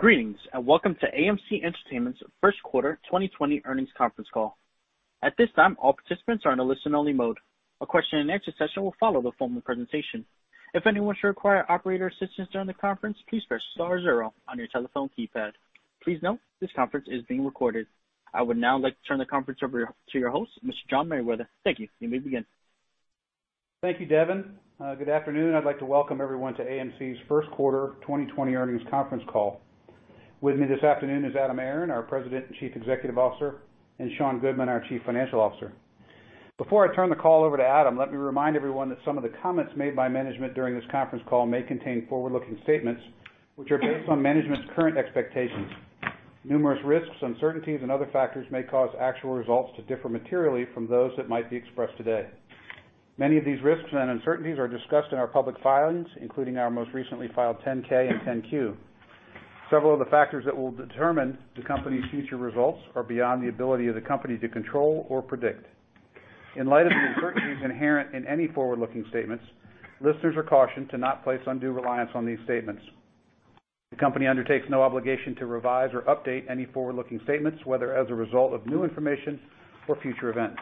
Greetings, welcome to AMC Entertainment's first quarter 2020 earnings conference call. At this time, all participants are in a listen-only mode. A question and answer session will follow the formal presentation. If anyone should require operator assistance during the conference, please press star zero on your telephone keypad. Please note this conference is being recorded. I would now like to turn the conference over to your host, Mr. John Merriwether. Thank you. You may begin. Thank you, Devin. Good afternoon. I'd like to welcome everyone to AMC's first quarter 2020 earnings conference call. With me this afternoon is Adam Aron, our President and Chief Executive Officer, and Sean Goodman, our Chief Financial Officer. Before I turn the call over to Adam, let me remind everyone that some of the comments made by management during this conference call may contain forward-looking statements which are based on management's current expectations. Numerous risks, uncertainties, and other factors may cause actual results to differ materially from those that might be expressed today. Many of these risks and uncertainties are discussed in our public filings, including our most recently filed 10-K and 10-Q. Several of the factors that will determine the company's future results are beyond the ability of the company to control or predict. In light of the uncertainties inherent in any forward-looking statements, listeners are cautioned to not place undue reliance on these statements. The company undertakes no obligation to revise or update any forward-looking statements, whether as a result of new information or future events.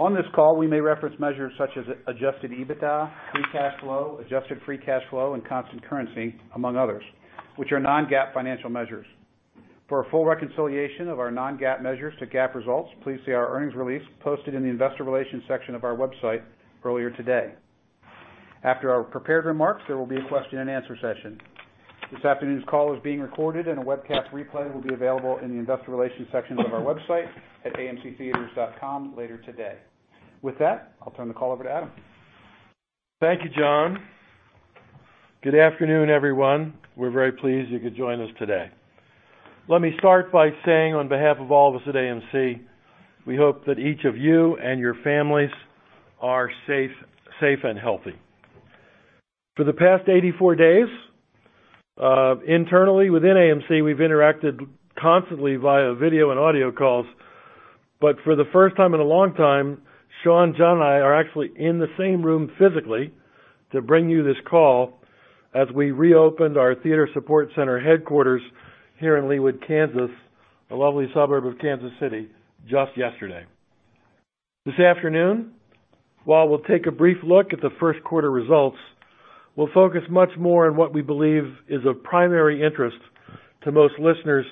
On this call, we may reference measures such as adjusted EBITDA, free cash flow, adjusted free cash flow, and constant currency, among others, which are non-GAAP financial measures. For a full reconciliation of our non-GAAP measures to GAAP results, please see our earnings release posted in the investor relations section of our website earlier today. After our prepared remarks, there will be a question and answer session. This afternoon's call is being recorded, and a webcast replay will be available in the Investor Relations section of our website at amctheatres.com later today. With that, I'll turn the call over to Adam. Thank you, John. Good afternoon, everyone. We're very pleased you could join us today. Let me start by saying on behalf of all of us at AMC Entertainment Holdings, we hope that each of you and your families are safe and healthy. For the past 84 days, internally within AMC Entertainment Holdings, we've interacted constantly via video and audio calls. For the first time in a long time, Sean, John, and I are actually in the same room physically to bring you this call as we reopened our theater support center headquarters here in Leawood, Kansas, a lovely suburb of Kansas City, just yesterday. This afternoon, while we'll take a brief look at the first quarter results, we'll focus much more on what we believe is of primary interest to most listeners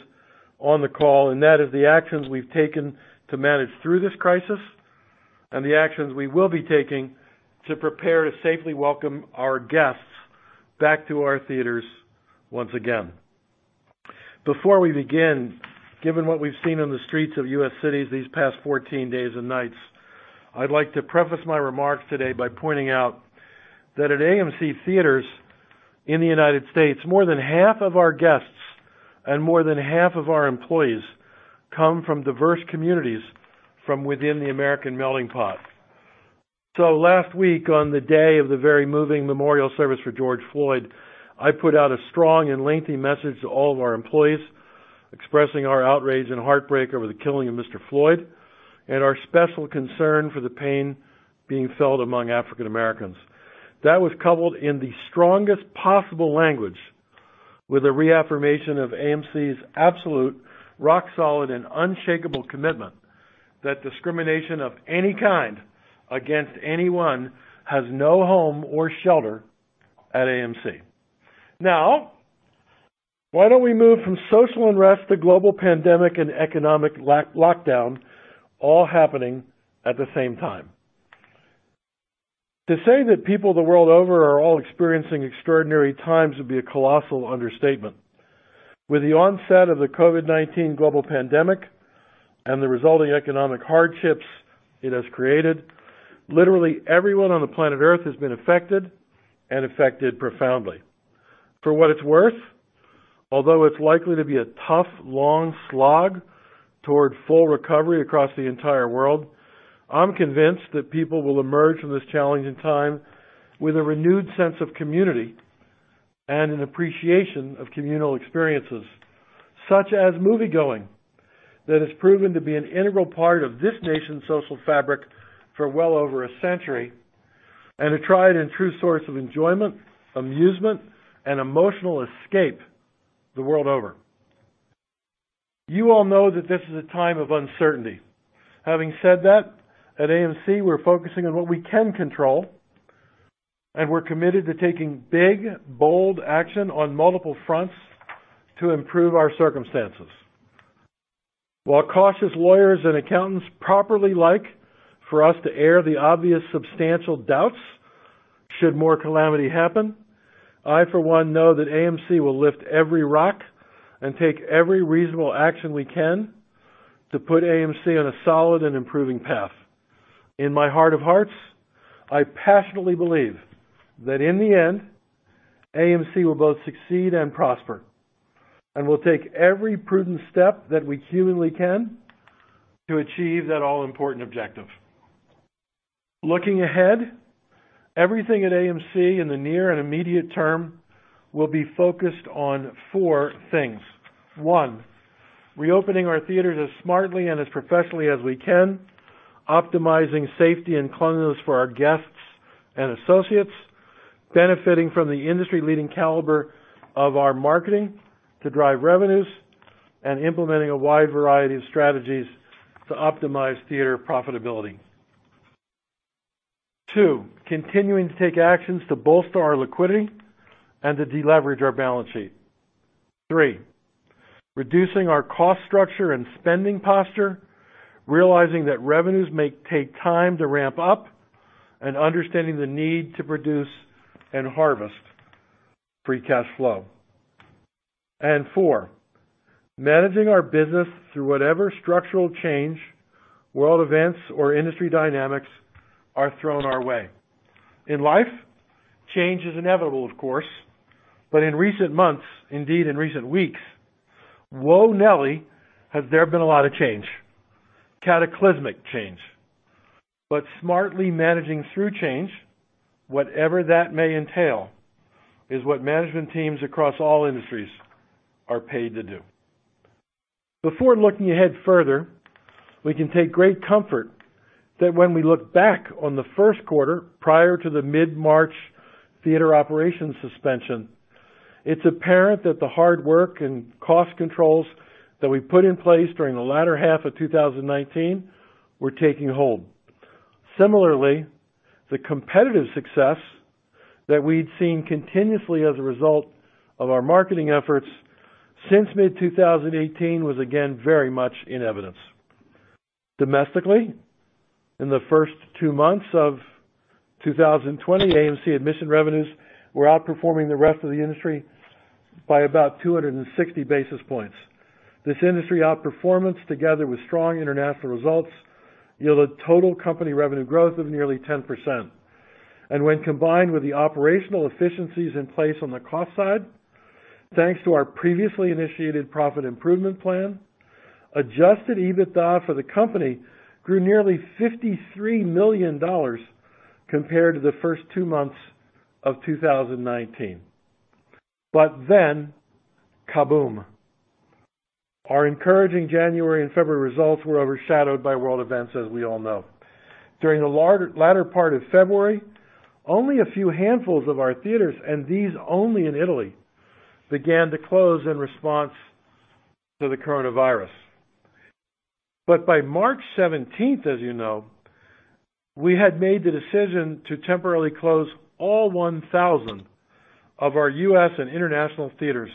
on the call, and that is the actions we've taken to manage through this crisis and the actions we will be taking to prepare to safely welcome our guests back to our theaters once again. Before we begin, given what we've seen on the streets of U.S. cities these past 14 days and nights, I'd like to preface my remarks today by pointing out that at AMC Theatres in the United States, more than half of our guests and more than half of our employees come from diverse communities from within the American melting pot. Last week, on the day of the very moving memorial service for George Floyd, I put out a strong and lengthy message to all of our employees expressing our outrage and heartbreak over the killing of Mr. Floyd and our special concern for the pain being felt among African Americans. That was coupled in the strongest possible language with a reaffirmation of AMC's absolute rock solid and unshakable commitment that discrimination of any kind against anyone has no home or shelter at AMC Entertainment Holdings. Why don't we move from social unrest to global pandemic and economic lockdown all happening at the same time? To say that people the world over are all experiencing extraordinary times would be a colossal understatement. With the onset of the COVID-19 global pandemic and the resulting economic hardships it has created, literally everyone on the planet Earth has been affected and affected profoundly. For what it's worth, although it's likely to be a tough, long slog toward full recovery across the entire world, I'm convinced that people will emerge from this challenging time with a renewed sense of community and an appreciation of communal experiences, such as moviegoing, that has proven to be an integral part of this nation's social fabric for well over a century and a tried and true source of enjoyment, amusement, and emotional escape the world over. You all know that this is a time of uncertainty. Having said that, at AMC Entertainment Holdings, we're focusing on what we can control, and we're committed to taking big, bold action on multiple fronts to improve our circumstances. While cautious lawyers and accountants properly like for us to air the obvious substantial doubts should more calamity happen, I for one know that AMC Entertainment Holdings will lift every rock and take every reasonable action we can to put AMC Entertainment Holdings on a solid and improving path. In my heart of hearts, I passionately believe that in the end, AMC Entertainment Holdings will both succeed and prosper, and we'll take every prudent step that we humanly can to achieve that all-important objective. Looking ahead, everything at AMC Entertainment Holdings in the near and immediate term will be focused on four things. One. Reopening our theaters as smartly and as professionally as we can. Optimizing safety and cleanliness for our guests and associates. Benefiting from the industry-leading caliber of our marketing to drive revenues, and implementing a wide variety of strategies to optimize theater profitability. Two, continuing to take actions to bolster our liquidity and to deleverage our balance sheet. Three, reducing our cost structure and spending posture, realizing that revenues may take time to ramp up, and understanding the need to produce and harvest free cash flow. Four, managing our business through whatever structural change, world events, or industry dynamics are thrown our way. In life, change is inevitable of course, but in recent months, indeed in recent weeks, whoa Nelly, has there been a lot of change. Cataclysmic change. Smartly managing through change, whatever that may entail, is what management teams across all industries are paid to do. Before looking ahead further, we can take great comfort that when we look back on the first quarter, prior to the mid-March theater operation suspension, it's apparent that the hard work and cost controls that we put in place during the latter half of 2019 were taking hold. Similarly, the competitive success that we'd seen continuously as a result of our marketing efforts since mid-2018 was again very much in evidence. Domestically, in the first two months of 2020, AMC Entertainment Holdings admission revenues were outperforming the rest of the industry by about 260 basis points. This industry outperformance, together with strong international results, yielded total company revenue growth of nearly 10%. When combined with the operational efficiencies in place on the cost side, thanks to our previously initiated profit improvement plan, adjusted EBITDA for the company grew nearly $53 million compared to the first two months of 2019. Kaboom. Our encouraging January and February results were overshadowed by world events, as we all know. During the latter part of February, only a few handfuls of our theaters, and these only in Italy, began to close in response to the coronavirus. By March 17th, as you know, we had made the decision to temporarily close all 1,000 of our U.S. and international theaters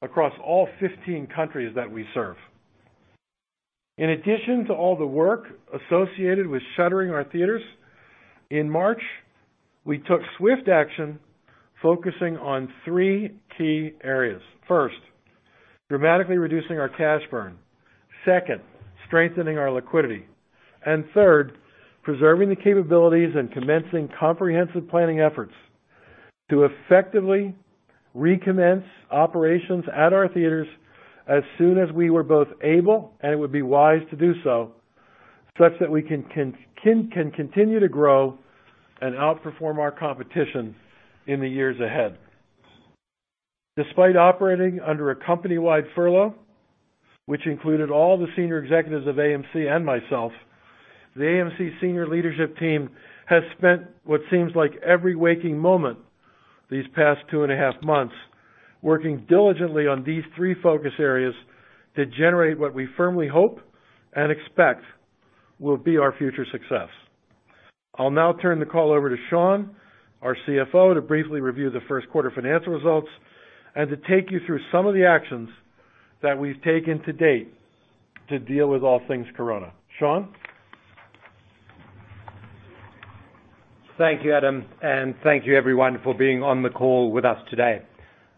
across all 15 countries that we serve. In addition to all the work associated with shuttering our theaters, in March, we took swift action focusing on three key areas. First, dramatically reducing our cash burn. Second, strengthening our liquidity. Third, preserving the capabilities and commencing comprehensive planning efforts to effectively recommence operations at our theaters as soon as we were both able, and it would be wise to do so, such that we can continue to grow and outperform our competition in the years ahead. Despite operating under a company-wide furlough, which included all the senior executives of AMC Entertainment Holdings and myself, the AMC Entertainment Holdings senior leadership team has spent what seems like every waking moment these past two and a half months working diligently on these three focus areas to generate what we firmly hope and expect will be our future success. I'll now turn the call over to Sean, our CFO, to briefly review the first quarter financial results and to take you through some of the actions that we've taken to date to deal with all things corona. Sean? Thank you, Adam. Thank you everyone for being on the call with us today.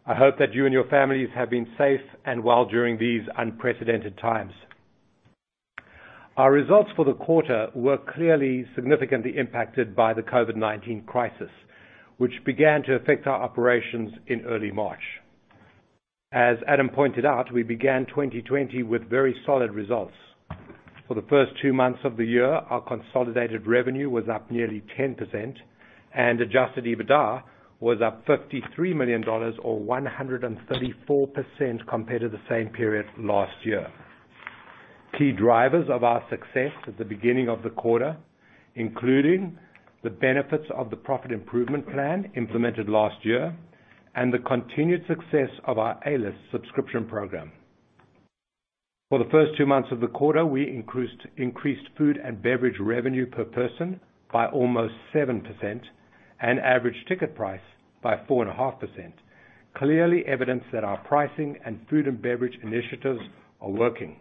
I hope that you and your families have been safe and well during these unprecedented times. Our results for the quarter were clearly significantly impacted by the COVID-19 crisis, which began to affect our operations in early March. As Adam pointed out, we began 2020 with very solid results. For the first two months of the year, our consolidated revenue was up nearly 10%, and adjusted EBITDA was up $53 million, or 134% compared to the same period last year. Key drivers of our success at the beginning of the quarter, including the benefits of the profit improvement plan implemented last year and the continued success of our A-List subscription program. For the first two months of the quarter, we increased food and beverage revenue per person by almost 7% and average ticket price by 4.5%, clearly evidence that our pricing and food and beverage initiatives are working.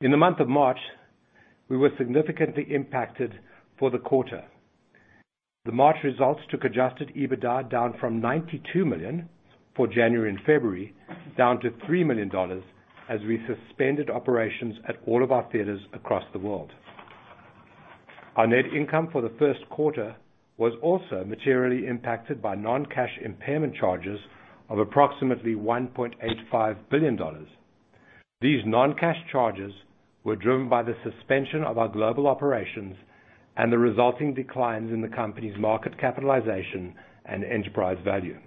In the month of March, we were significantly impacted for the quarter. The March results took adjusted EBITDA down from $92 million for January and February, down to $3 million as we suspended operations at all of our theaters across the world. Our net income for the first quarter was also materially impacted by non-cash impairment charges of approximately $1.85 billion. These non-cash charges were driven by the suspension of our global operations. The resulting declines in the company's market capitalization and enterprise value.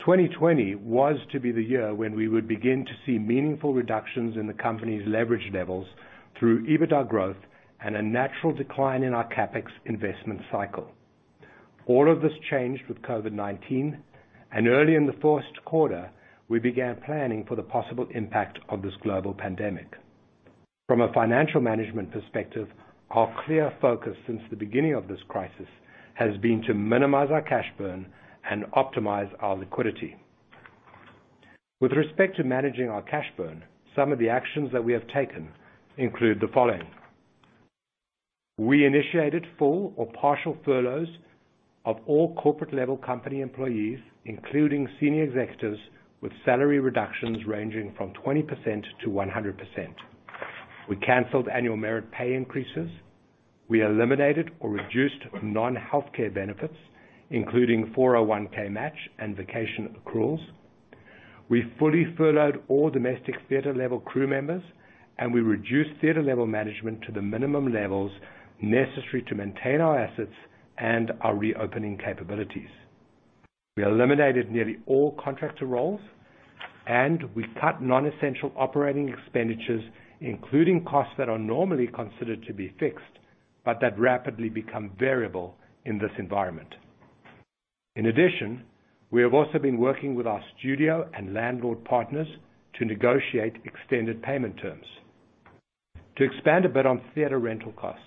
2020 was to be the year when we would begin to see meaningful reductions in the company's leverage levels through EBITDA growth and a natural decline in our CapEx investment cycle. Early in the first quarter, we began planning for the possible impact of this global pandemic. From a financial management perspective, our clear focus since the beginning of this crisis has been to minimize our cash burn and optimize our liquidity. With respect to managing our cash burn, some of the actions that we have taken include the following. We initiated full or partial furloughs of all corporate-level company employees, including senior executives, with salary reductions ranging from 20%-100%. We canceled annual merit pay increases. We eliminated or reduced non-healthcare benefits, including 401 match and vacation accruals. We fully furloughed all domestic theater-level crew members, and we reduced theater-level management to the minimum levels necessary to maintain our assets and our reopening capabilities. We eliminated nearly all contractor roles, and we cut non-essential operating expenditures, including costs that are normally considered to be fixed, but that rapidly become variable in this environment. In addition, we have also been working with our studio and landlord partners to negotiate extended payment terms. To expand a bit on theater rental costs,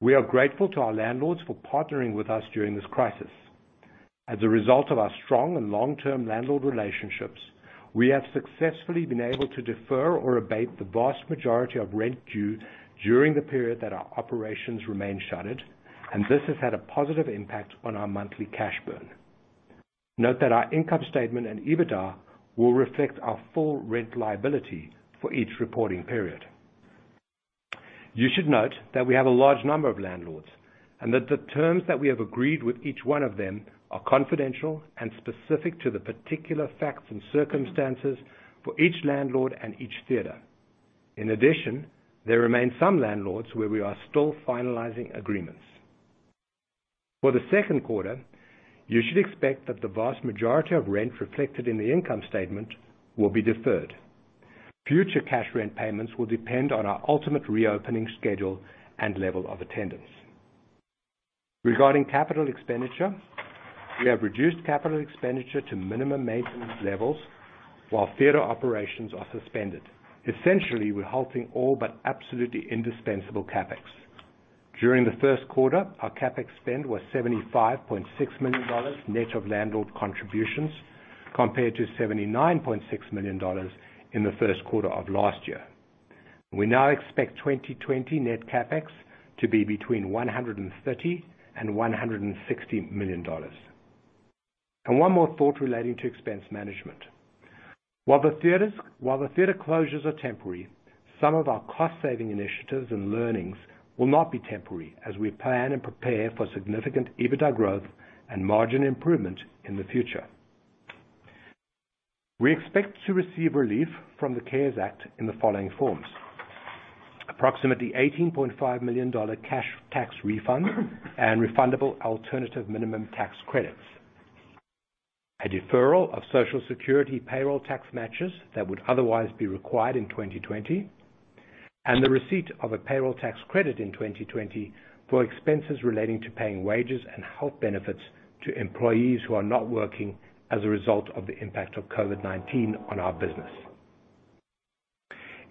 we are grateful to our landlords for partnering with us during this crisis. As a result of our strong and long-term landlord relationships, we have successfully been able to defer or abate the vast majority of rent due during the period that our operations remain shuttered, and this has had a positive impact on our monthly cash burn. Note that our income statement and EBITDA will reflect our full rent liability for each reporting period. You should note that we have a large number of landlords, and that the terms that we have agreed with each one of them are confidential and specific to the particular facts and circumstances for each landlord and each theater. In addition, there remain some landlords where we are still finalizing agreements. For the second quarter, you should expect that the vast majority of rent reflected in the income statement will be deferred. Future cash rent payments will depend on our ultimate reopening schedule and level of attendance. Regarding capital expenditure, we have reduced capital expenditure to minimum maintenance levels while theater operations are suspended. Essentially, we're halting all but absolutely indispensable CapEx. During the first quarter, our CapEx spend was $75.6 million, net of landlord contributions, compared to $79.6 million in the first quarter of last year. We now expect 2020 net CapEx to be between $130 million and $160 million. One more thought relating to expense management. While the theater closures are temporary, some of our cost-saving initiatives and learnings will not be temporary as we plan and prepare for significant EBITDA growth and margin improvement in the future. We expect to receive relief from the CARES Act in the following forms. Approximately $18.5 million cash tax refund and refundable alternative minimum tax credits, a deferral of Social Security payroll tax matches that would otherwise be required in 2020, and the receipt of a payroll tax credit in 2020 for expenses relating to paying wages and health benefits to employees who are not working as a result of the impact of COVID-19 on our business.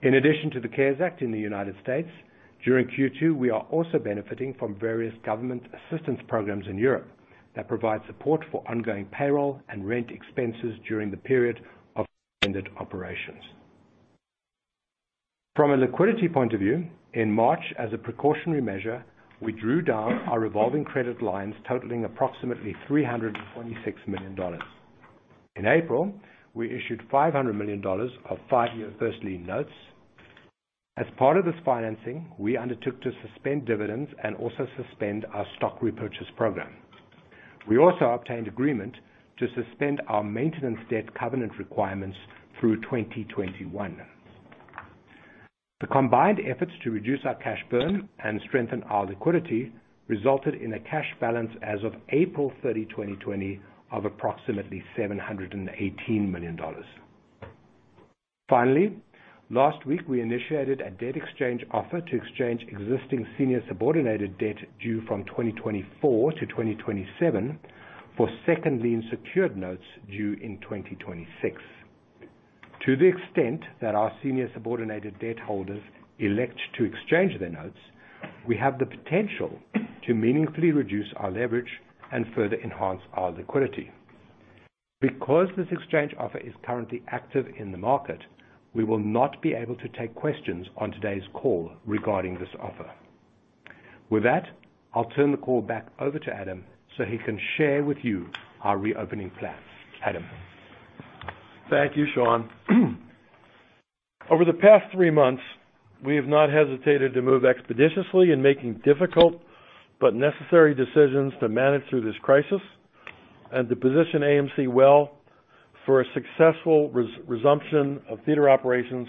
In addition to the CARES Act in the U.S., during Q2, we are also benefiting from various government assistance programs in Europe that provide support for ongoing payroll and rent expenses during the period of suspended operations. From a liquidity point of view, in March, as a precautionary measure, we drew down our revolving credit lines totaling approximately $326 million. In April, we issued $500 million of five-year first lien notes. As part of this financing, we undertook to suspend dividends and also suspend our stock repurchase program. We also obtained agreement to suspend our maintenance debt covenant requirements through 2021. The combined efforts to reduce our cash burn and strengthen our liquidity resulted in a cash balance as of April 30, 2020, of approximately $718 million. Last week, we initiated a debt exchange offer to exchange existing senior subordinated debt due from 2024 to 2027 for second lien secured notes due in 2026. To the extent that our senior subordinated debt holders elect to exchange their notes, we have the potential to meaningfully reduce our leverage and further enhance our liquidity. This exchange offer is currently active in the market, we will not be able to take questions on today's call regarding this offer. With that, I'll turn the call back over to Adam so he can share with you our reopening plan. Adam. Thank you, Sean. Over the past three months, we have not hesitated to move expeditiously in making difficult but necessary decisions to manage through this crisis and to position AMC Entertainment Holdings well for a successful resumption of theater operations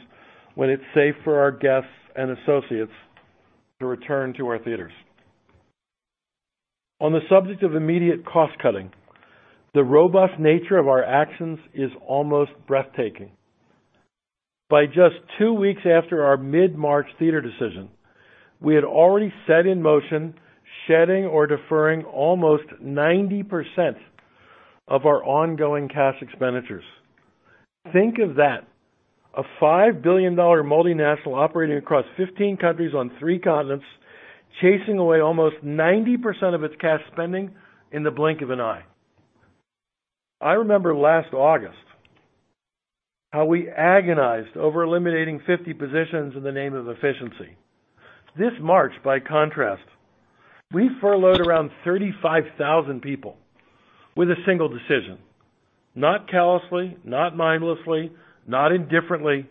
when it's safe for our guests and associates to return to our theaters. On the subject of immediate cost-cutting, the robust nature of our actions is almost breathtaking. By just two weeks after our mid-March theater decision, we had already set in motion shedding or deferring almost 90% of our ongoing cash expenditures. Think of that. A $5 billion multinational operating across 15 countries on three continents, chasing away almost 90% of its cash spending in the blink of an eye. I remember last August how we agonized over eliminating 50 positions in the name of efficiency. This March, by contrast, we furloughed around 35,000 people with a single decision. Not callously, not mindlessly, not indifferently,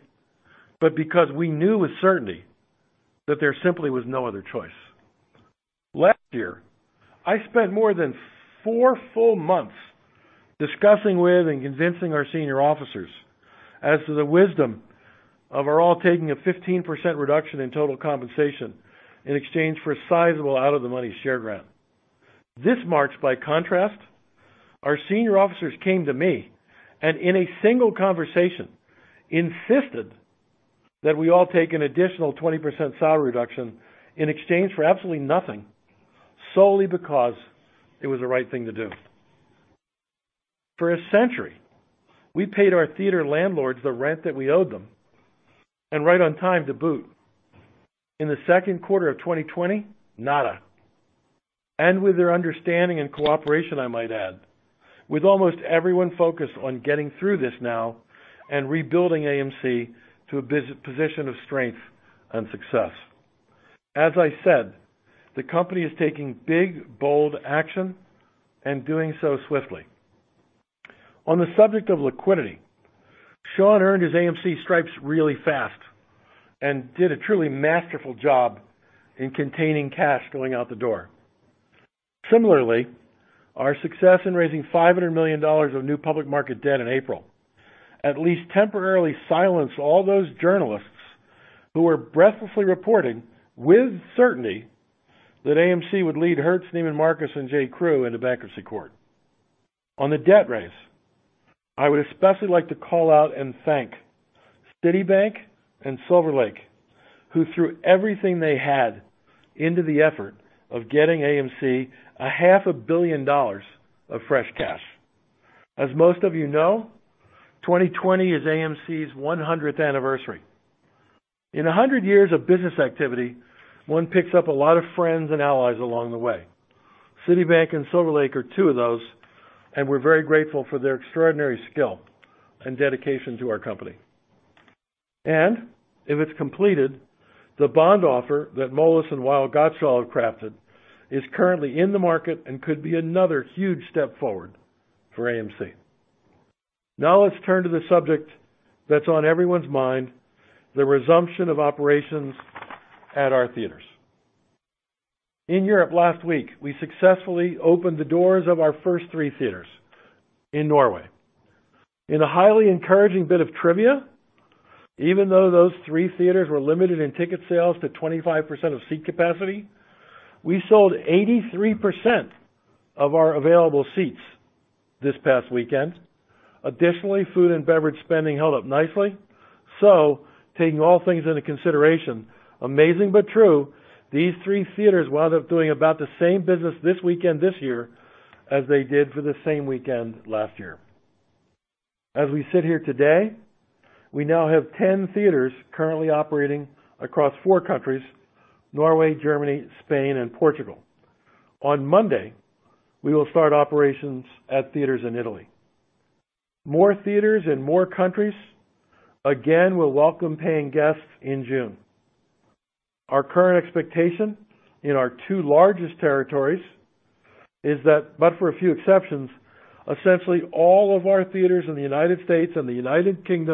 but because we knew with certainty that there simply was no other choice. Last year, I spent more than four full months discussing with and convincing our senior officers as to the wisdom of our all taking a 15% reduction in total compensation in exchange for a sizable out of the money share grant. This March, by contrast, our senior officers came to me, and in a single conversation, insisted that we all take an additional 20% salary reduction in exchange for absolutely nothing, solely because it was the right thing to do. For a century, we paid our theater landlords the rent that we owed them, and right on time to boot. In the second quarter of 2020, nada. With their understanding and cooperation, I might add. With almost everyone focused on getting through this now and rebuilding AMC Entertainment Holdings to a position of strength and success. As I said, the company is taking big, bold action and doing so swiftly. On the subject of liquidity, Sean earned his AMC stripes really fast and did a truly masterful job in containing cash going out the door. Similarly, our success in raising $500 million of new public market debt in April, at least temporarily silenced all those journalists who were breathlessly reporting with certainty that AMC Entertainment Holdings would lead Hertz, Neiman Marcus, and J. Crew into bankruptcy court. On the debt raise, I would especially like to call out and thank Citibank and Silver Lake, who threw everything they had into the effort of getting AMC a $0.5 billion dollars of fresh cash. As most of you know, 2020 is AMC's 100th anniversary. In 100 years of business activity, one picks up a lot of friends and allies along the way. Citibank and Silver Lake are two of those, and we're very grateful for their extraordinary skill and dedication to our company. If it's completed, the bond offer that Moelis & Company and Weil, Gotshal & Manges LLP have crafted is currently in the market and could be another huge step forward for AMC Entertainment Holdings. Let's turn to the subject that's on everyone's mind, the resumption of operations at our theaters. In Europe last week, we successfully opened the doors of our first three theaters in Norway. In a highly encouraging bit of trivia, even though those three theaters were limited in ticket sales to 25% of seat capacity, we sold 83% of our available seats this past weekend. Additionally, food and beverage spending held up nicely. Taking all things into consideration, amazing but true, these three theaters wound up doing about the same business this weekend this year as they did for the same weekend last year. As we sit here today, we now have 10 theaters currently operating across four countries, Norway, Germany, Spain, and Portugal. On Monday, we will start operations at theaters in Italy. More theaters in more countries, again, will welcome paying guests in June. Our current expectation in our two largest territories is that, but for a few exceptions, essentially all of our theaters in the U.S. and the U.K.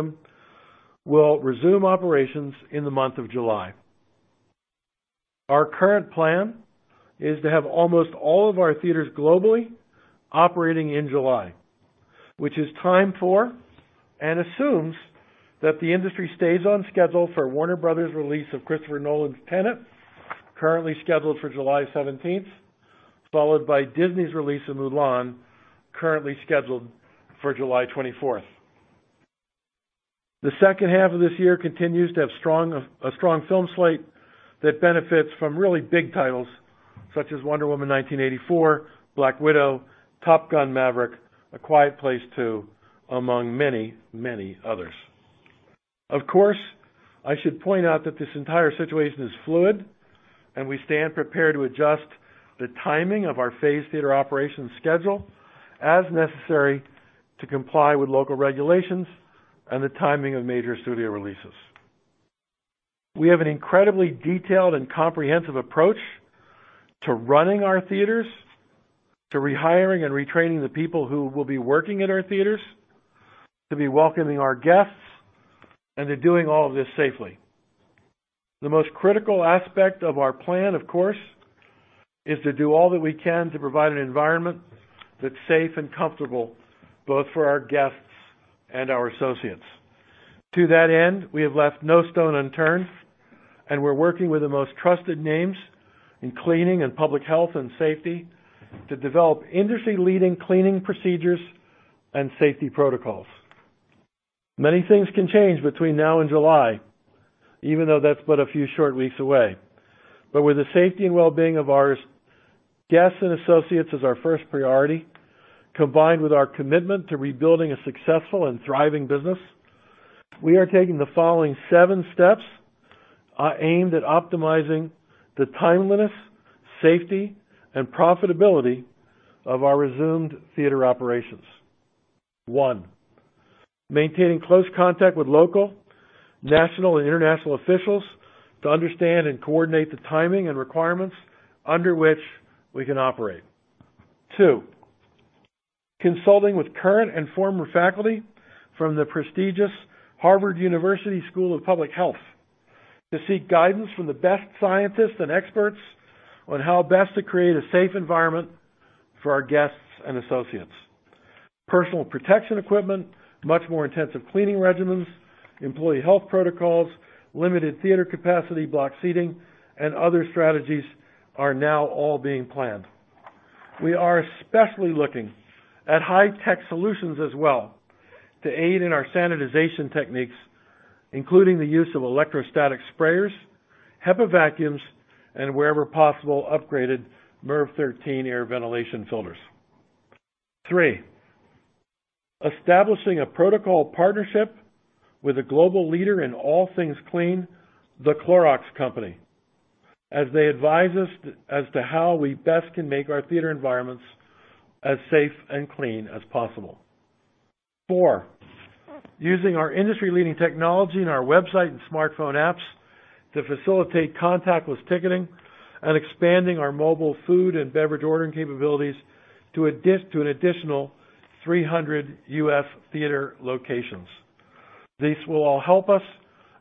will resume operations in the month of July. Our current plan is to have almost all of our theaters globally operating in July, which is timed for and assumes that the industry stays on schedule for Warner Bros.' release of Christopher Nolan's Tenet, currently scheduled for July 17th, followed by Disney's release of Mulan, currently scheduled for July 24th. The second half of this year continues to have a strong film slate that benefits from really big titles such as Wonder Woman 1984, Black Widow, Top Gun: Maverick, A Quiet Place Part II, among many, many others. Of course, I should point out that this entire situation is fluid, and we stand prepared to adjust the timing of our phased theater operation schedule as necessary to comply with local regulations and the timing of major studio releases. We have an incredibly detailed and comprehensive approach to running our theaters, to rehiring and retraining the people who will be working at our theaters, to be welcoming our guests, and to doing all of this safely. The most critical aspect of our plan, of course, is to do all that we can to provide an environment that's safe and comfortable, both for our guests and our associates. To that end, we have left no stone unturned, and we're working with the most trusted names in cleaning and public health and safety to develop industry-leading cleaning procedures and safety protocols. Many things can change between now and July, even though that's but a few short weeks away. With the safety and wellbeing of our guests and associates as our first priority, combined with our commitment to rebuilding a successful and thriving business, we are taking the following seven steps aimed at optimizing the timeliness, safety, and profitability of our resumed theater operations. One, maintaining close contact with local, national, and international officials to understand and coordinate the timing and requirements under which we can operate. Two, consulting with current and former faculty from the prestigious Harvard T.H. Chan School of Public Health to seek guidance from the best scientists and experts on how best to create a safe environment for our guests and associates. Personal protection equipment, much more intensive cleaning regimens, employee health protocols, limited theater capacity, block seating, and other strategies are now all being planned. We are especially looking at high-tech solutions as well to aid in our sanitization techniques, including the use of electrostatic sprayers, HEPA vacuums, and wherever possible, upgraded MERV 13 air ventilation filters. Three, establishing a protocol partnership with a global leader in all things clean, The Clorox Company, as they advise us as to how we best can make our theater environments as safe and clean as possible. Four, using our industry-leading technology and our website and smartphone apps to facilitate contactless ticketing and expanding our mobile food and beverage ordering capabilities to an additional 300 U.S. theater locations. These will all help us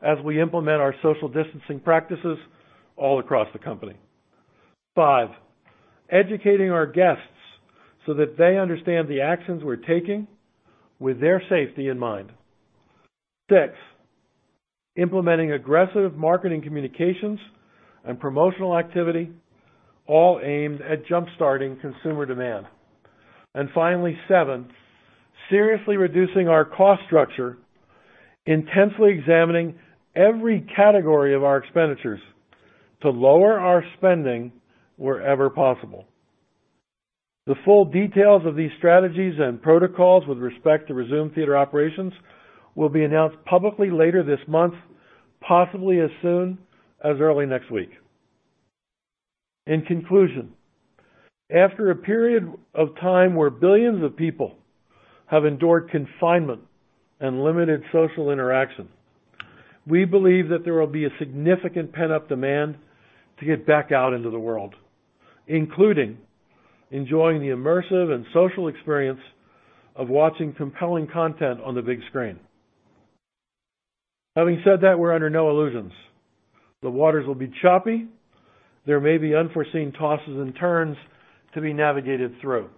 as we implement our social distancing practices all across the company. Five, educating our guests so that they understand the actions we're taking with their safety in mind. Six, implementing aggressive marketing communications and promotional activity, all aimed at jump-starting consumer demand. Finally, seven, seriously reducing our cost structure, intensely examining every category of our expenditures to lower our spending wherever possible. The full details of these strategies and protocols with respect to resumed theater operations will be announced publicly later this month, possibly as soon as early next week. In conclusion, after a period of time where billions of people have endured confinement and limited social interaction, we believe that there will be a significant pent-up demand to get back out into the world, including enjoying the immersive and social experience of watching compelling content on the big screen. Having said that, we're under no illusions. The waters will be choppy. There may be unforeseen tosses and turns to be navigated through.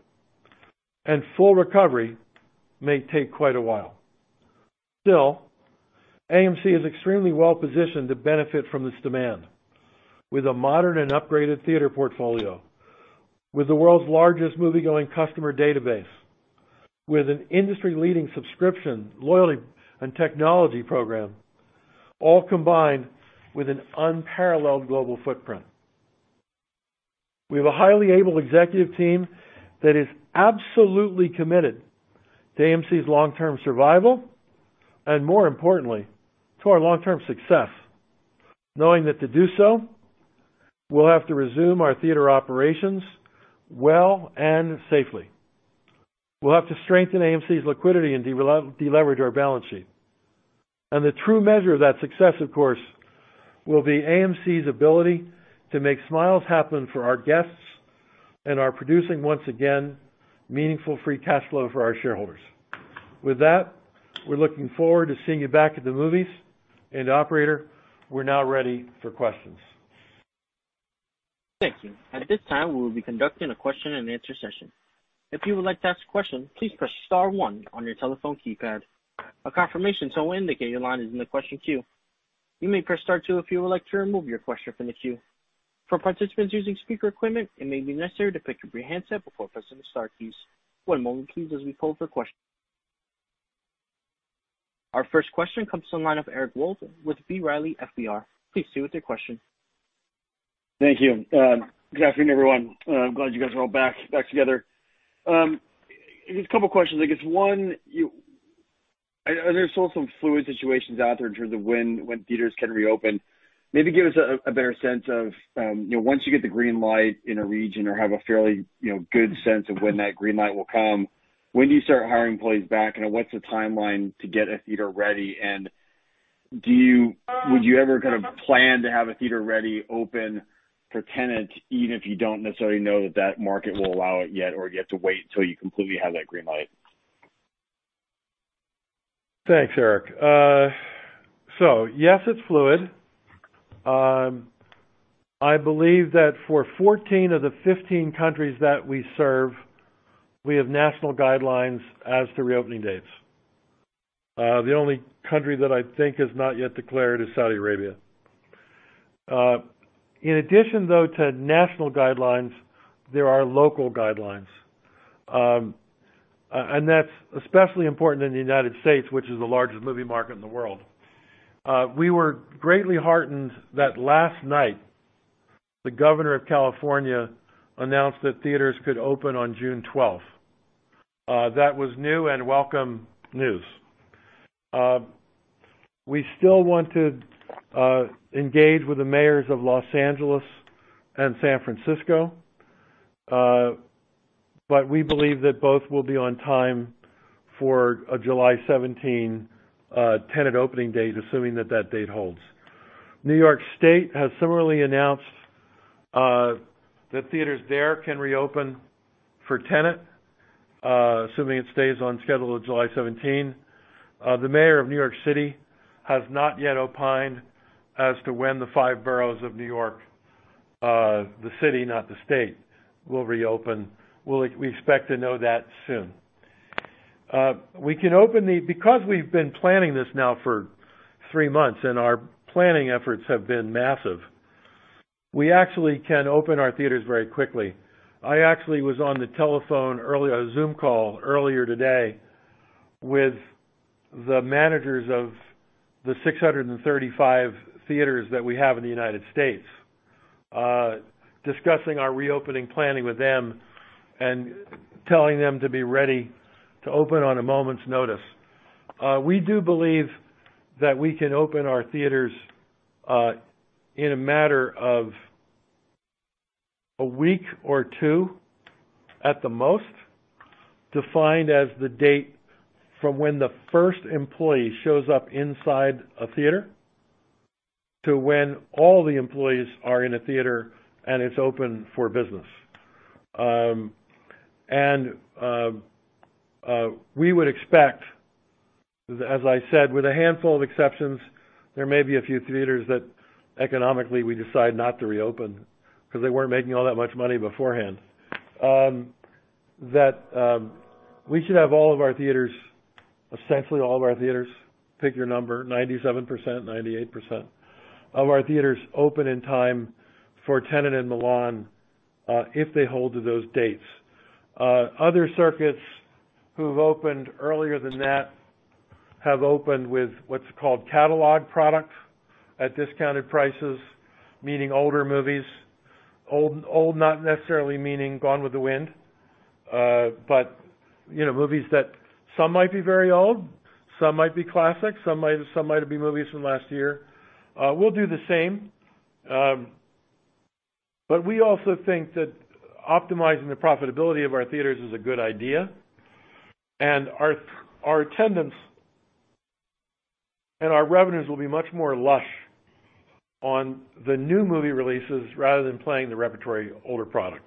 Full recovery may take quite a while. Still, AMC Entertainment Holdings is extremely well-positioned to benefit from this demand. With a modern and upgraded theater portfolio, with the world's largest moviegoing customer database, with an industry-leading subscription, loyalty, and technology program, all combined with an unparalleled global footprint. We have a highly able executive team that is absolutely committed to AMC's long-term survival, and more importantly, to our long-term success, knowing that to do so, we'll have to resume our theater operations well and safely. We'll have to strengthen AMC's liquidity and de-leverage our balance sheet. The true measure of that success, of course, will be AMC's ability to make smiles happen for our guests and our producing, once again, meaningful free cash flow for our shareholders. With that, we're looking forward to seeing you back at the movies, operator, we're now ready for questions. Thank you. At this time, we will be conducting a question and answer session. If you would like to ask a question, please press star one on your telephone keypad. A confirmation tone will indicate your line is in the question queue. You may press star two if you would like to remove your question from the queue. For participants using speaker equipment, it may be necessary to pick up your handset before pressing the star keys. One moment please as we poll for questions. Our first question comes from the line of Eric Wold with B. Riley FBR. Please stay with your question. Thank you. Good afternoon, everyone. I'm glad you guys are all back together. Just a couple of questions. I guess one, I know there's still some fluid situations out there in terms of when theaters can reopen. Maybe give us a better sense of once you get the green light in a region or have a fairly good sense of when that green light will come, when do you start hiring employees back? What's the timeline to get a theater ready? Would you ever kind of plan to have a theater ready, open for Tenet, even if you don't necessarily know that market will allow it yet, or do you have to wait until you completely have that green light? Thanks, Eric. Yes, it's fluid. I believe that for 14 of the 15 countries that we serve, we have national guidelines as to reopening dates. The only country that I think has not yet declared is Saudi Arabia. In addition, though, to national guidelines, there are local guidelines. That's especially important in the United States, which is the largest movie market in the world. We were greatly heartened that last night, the governor of California announced that theaters could open on June 12th. That was new and welcome news. We still want to engage with the mayors of Los Angeles and San Francisco, but we believe that both will be on time for a July 17 Tenet opening date, assuming that that date holds. New York State has similarly announced that theaters there can reopen for Tenet, assuming it stays on schedule of July 17. The mayor of New York City has not yet opined as to when the five boroughs of New York, the city, not the state, will reopen. We expect to know that soon. Because we've been planning this now for three months, and our planning efforts have been massive, we actually can open our theaters very quickly. I actually was on the telephone, a Zoom call, earlier today with the managers of the 635 theaters that we have in the U.S., discussing our reopening planning with them and telling them to be ready to open on a moment's notice. We do believe that we can open our theaters in a matter of a week or two at the most, defined as the date from when the first employee shows up inside a theater to when all the employees are in a theater and it's open for business. We would expect, as I said, with a handful of exceptions, there may be a few theaters that economically we decide not to reopen because they weren't making all that much money beforehand, that we should have all of our theaters, essentially all of our theaters, pick your number, 97%, 98% of our theaters open in time for "Tenet" and "Mulan," if they hold to those dates. Other circuits who've opened earlier than that have opened with what's called catalog product at discounted prices, meaning older movies. Old not necessarily meaning "Gone With the Wind," but movies that some might be very old, some might be classics, some might be movies from last year. We'll do the same. We also think that optimizing the profitability of our theaters is a good idea, and our attendance and our revenues will be much more lush on the new movie releases rather than playing the repertory older product.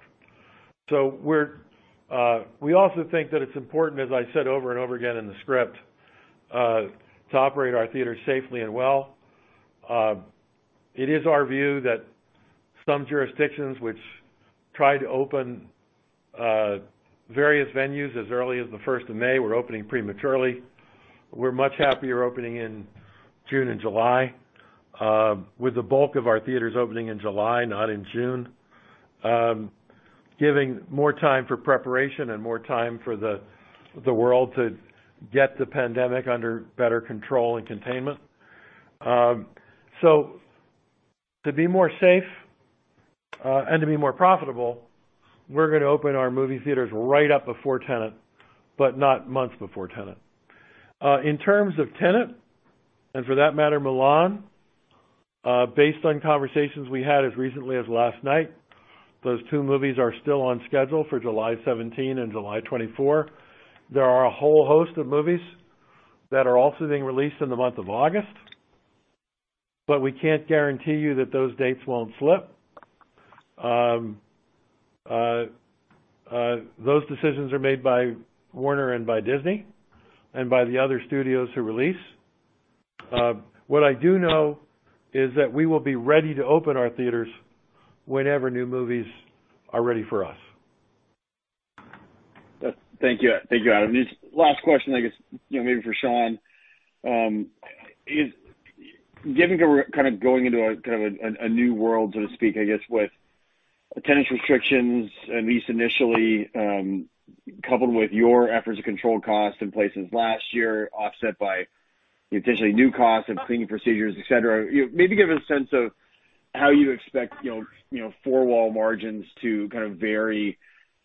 We also think that it's important, as I said over and over again in the script, to operate our theaters safely and well. It is our view that some jurisdictions which try to open various venues as early as the 1st of May were opening prematurely. We're much happier opening in June and July, with the bulk of our theaters opening in July, not in June, giving more time for preparation and more time for the world to get the pandemic under better control and containment. To be more safe, and to be more profitable, we're going to open our movie theaters right up before "Tenet," but not months before "Tenet." In terms of "Tenet," and for that matter, "Mulan," based on conversations we had as recently as last night, those two movies are still on schedule for July 17 and July 24. There are a whole host of movies that are also being released in the month of August, but we can't guarantee you that those dates won't slip. Those decisions are made by Warner and by Disney, and by the other studios who release. What I do know is that we will be ready to open our theaters whenever new movies are ready for us. Thank you. Thank you, Adam. Just last question, I guess maybe for Sean. Given we're kind of going into a new world, so to speak, I guess, with attendance restrictions, at least initially, coupled with your efforts to control costs in places last year offset by potentially new costs of cleaning procedures, et cetera, maybe give a sense of how you expect four wall margins to kind of vary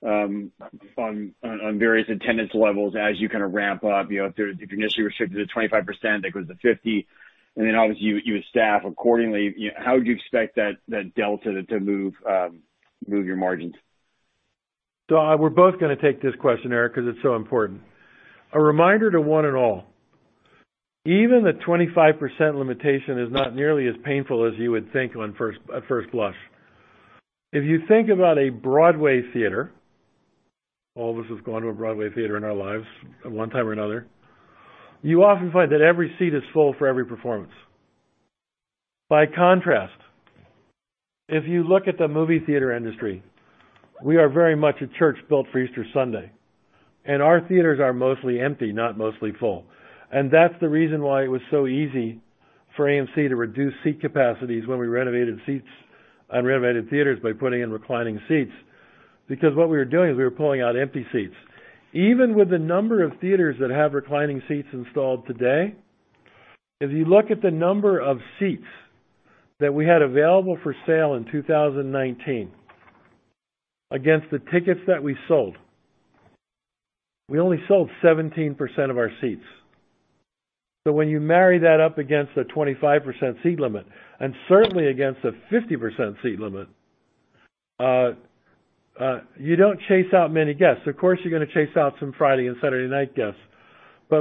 on various attendance levels as you kind of ramp up. If you're initially restricted to 25%, that goes to 50%, and then obviously you would staff accordingly. How would you expect that delta to move your margins? We're both going to take this question, Eric, because it's so important. A reminder to one and all, even the 25% limitation is not nearly as painful as you would think at first blush. If you think about a Broadway theater, all of us have gone to a Broadway theater in our lives at one time or another, you often find that every seat is full for every performance. By contrast, if you look at the movie theater industry, we are very much a church built for Easter Sunday, and our theaters are mostly empty, not mostly full. That's the reason why it was so easy for AMC Entertainment Holdings to reduce seat capacities when we renovated seats on renovated theaters by putting in reclining seats, because what we were doing is we were pulling out empty seats. Even with the number of theaters that have reclining seats installed today, if you look at the number of seats that we had available for sale in 2019 against the tickets that we sold, we only sold 17% of our seats. When you marry that up against a 25% seat limit, and certainly against a 50% seat limit, you don't chase out many guests. Of course, you're going to chase out some Friday and Saturday night guests.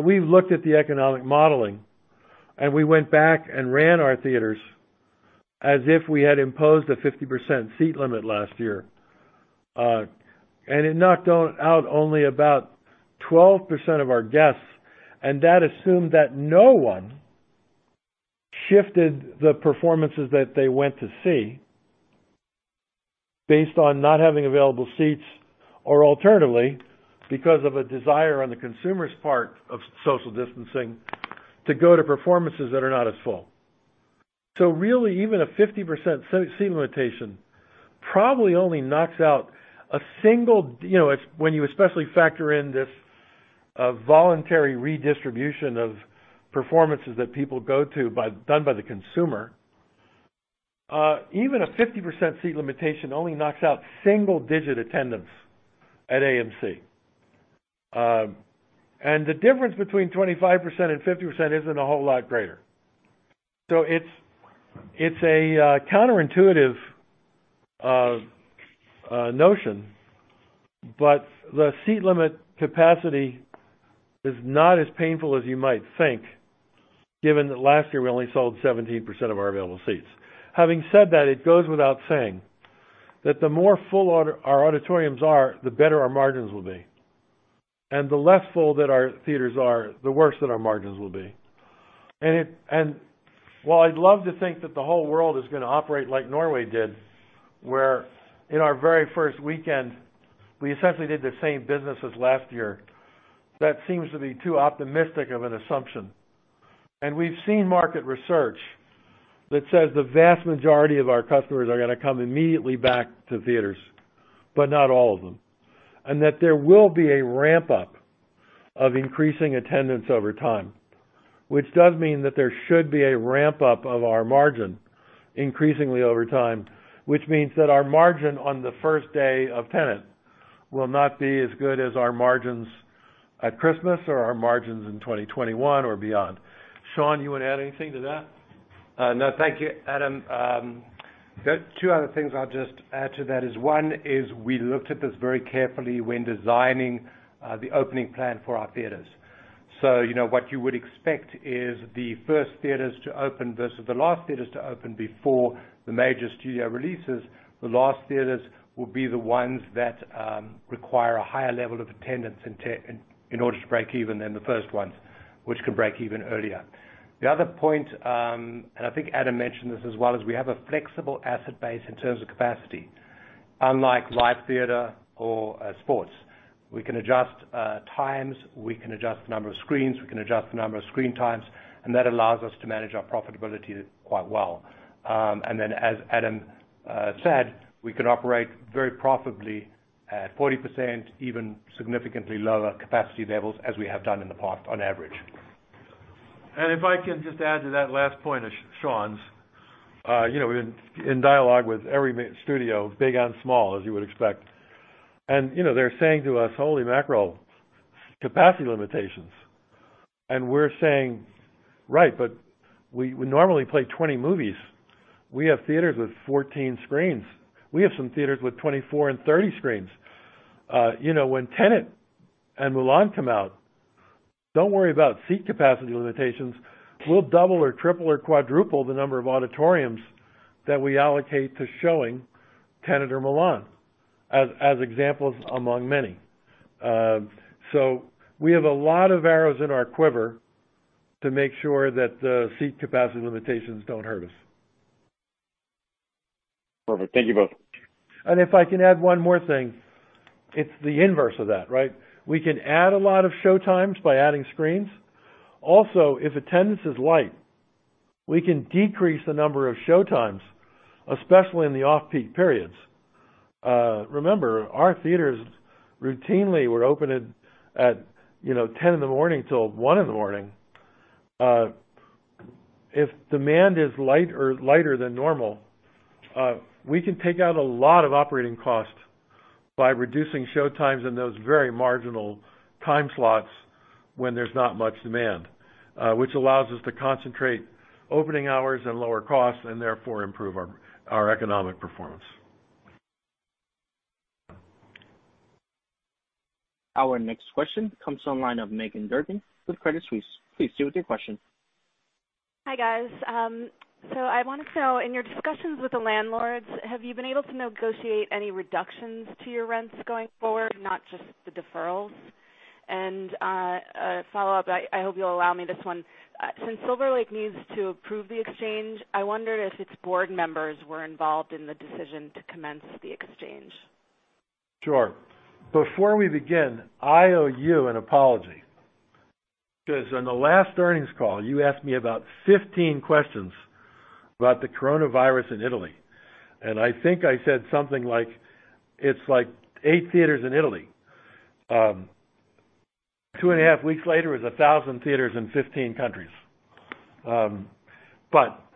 We've looked at the economic modeling, and we went back and ran our theaters as if we had imposed a 50% seat limit last year. It knocked out only about 12% of our guests, and that assumed that no one shifted the performances that they went to see based on not having available seats, or alternatively, because of a desire on the consumer's part of social distancing, to go to performances that are not as full. Really, when you especially factor in this voluntary redistribution of performances that people go to done by the consumer, even a 50% seat limitation only knocks out single-digit attendance at AMC Entertainment Holdings. The difference between 25% and 50% isn't a whole lot greater. It's a counterintuitive notion, but the seat limit capacity is not as painful as you might think, given that last year we only sold 17% of our available seats. Having said that, it goes without saying that the more full our auditoriums are, the better our margins will be. The less full that our theaters are, the worse that our margins will be. While I'd love to think that the whole world is going to operate like Norway did, where in our very first weekend, we essentially did the same business as last year, that seems to be too optimistic of an assumption. We've seen market research that says the vast majority of our customers are going to come immediately back to theaters, but not all of them. That there will be a ramp-up of increasing attendance over time, which does mean that there should be a ramp-up of our margin increasingly over time, which means that our margin on the first day of "Tenet" will not be as good as our margins at Christmas or our margins in 2021 or beyond. Sean, you want to add anything to that? No, thank you, Adam. Two other things I'll just add to that is, one, is we looked at this very carefully when designing the opening plan for our theaters. What you would expect is the first theaters to open versus the last theaters to open before the major studio releases. The last theaters will be the ones that require a higher level of attendance in order to break even than the first ones, which can break even earlier. The other point, and I think Adam mentioned this as well, is we have a flexible asset base in terms of capacity, unlike live theater or sports. We can adjust times, we can adjust the number of screens, we can adjust the number of screen times, and that allows us to manage our profitability quite well. As Adam said, we can operate very profitably at 40%, even significantly lower capacity levels as we have done in the past on average. If I can just add to that last point of Sean's. In dialogue with every studio, big and small, as you would expect, and they're saying to us, "Holy mackerel, capacity limitations." We're saying, "Right, but we normally play 20 movies. We have theaters with 14 screens. We have some theaters with 24 and 30 screens." When "Tenet" and "Mulan" come out, don't worry about seat capacity limitations. We'll double or triple or quadruple the number of auditoriums that we allocate to showing "Tenet" or "Mulan" as examples among many. We have a lot of arrows in our quiver to make sure that the seat capacity limitations don't hurt us. Perfect. Thank you both. If I can add one more thing, it's the inverse of that, right? We can add a lot of showtimes by adding screens. Also, if attendance is light, we can decrease the number of showtimes, especially in the off-peak periods. Remember, our theaters routinely were open at 10:00 A.M. in the morning till 1:00 A.M. in the morning. If demand is lighter than normal, we can take out a lot of operating cost by reducing showtimes in those very marginal time slots when there's not much demand, which allows us to concentrate opening hours and lower costs and therefore improve our economic performance. Our next question comes from the line of Meghan Durkin with Credit Suisse. Please proceed with your question. Hi, guys. I want to know, in your discussions with the landlords, have you been able to negotiate any reductions to your rents going forward, not just the deferrals? A follow-up, I hope you'll allow me this one. Since Silver Lake needs to approve the exchange, I wondered if its board members were involved in the decision to commence the exchange. Sure. Before we begin, I owe you an apology. On the last earnings call, you asked me about 15 questions about the coronavirus in Italy, and I think I said something like, "It's like eight theaters in Italy." Two and a half weeks later, it was 1,000 theaters in 15 countries.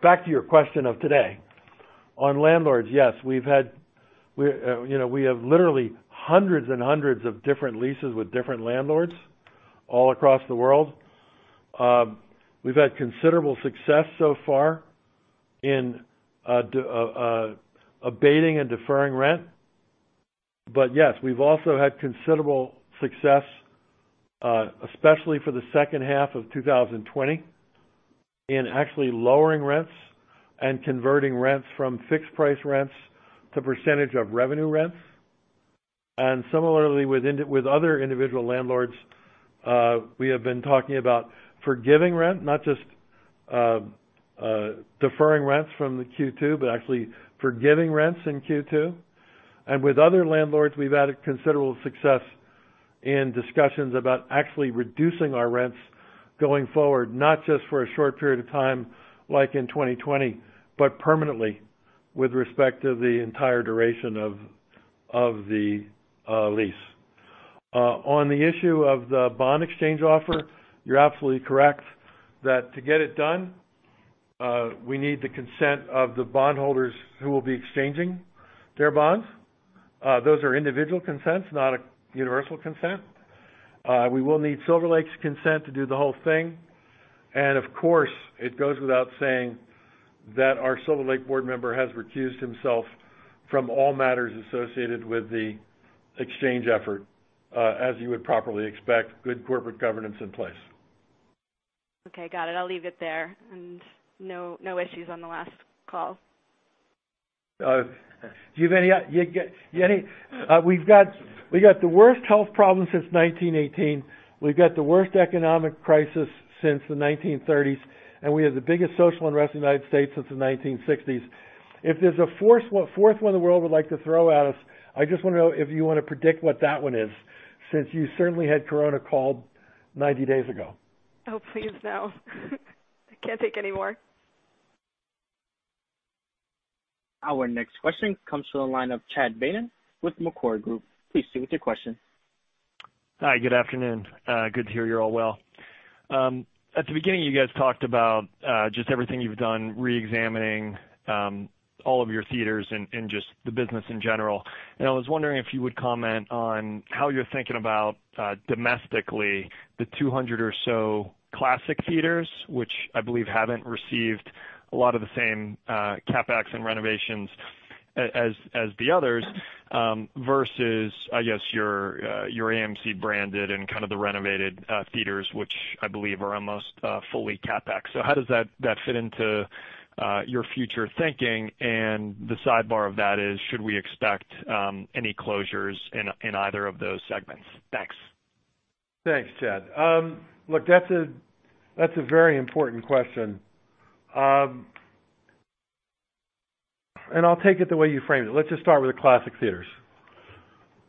Back to your question of today. On landlords, yes. We have literally hundreds and hundreds of different leases with different landlords all across the world. We've had considerable success so far in abating and deferring rent. Yes, we've also had considerable success, especially for the second half of 2020, in actually lowering rents and converting rents from fixed price rents to percentage of revenue rents. Similarly, with other individual landlords, we have been talking about forgiving rent, not just deferring rents from the Q2, but actually forgiving rents in Q2. With other landlords, we've had considerable success in discussions about actually reducing our rents going forward, not just for a short period of time like in 2020, but permanently with respect to the entire duration of the lease. On the issue of the bond exchange offer, you're absolutely correct that to get it done, we need the consent of the bondholders who will be exchanging their bonds. Those are individual consents, not a universal consent. We will need Silver Lake's consent to do the whole thing. Of course, it goes without saying that our Silver Lake board member has recused himself from all matters associated with the exchange effort. As you would properly expect, good corporate governance in place. Okay, got it. I'll leave it there. No issues on the last call. We've got the worst health problem since 1918. We've got the worst economic crisis since the 1930s. We have the biggest social unrest in the U.S. since the 1960s. If there's a fourth one the world would like to throw at us, I just want to know if you want to predict what that one is, since you certainly had COVID-19 called 90 days ago. Oh, please no. I can't take anymore. Our next question comes from the line of Chad Beynon with Macquarie Group. Please proceed with your question. Hi, good afternoon. Good to hear you're all well. At the beginning, you guys talked about just everything you've done, re-examining all of your theaters and just the business in general. I was wondering if you would comment on how you're thinking about, domestically, the 200 or so classic theaters, which I believe haven't received a lot of the same CapEx and renovations as the others, versus, I guess, your AMC-branded and kind of the renovated theaters, which I believe are almost fully CapEx. How does that fit into your future thinking? The sidebar of that is, should we expect any closures in either of those segments? Thanks. Thanks, Chad. That's a very important question. I'll take it the way you framed it. Let's just start with the classic theaters.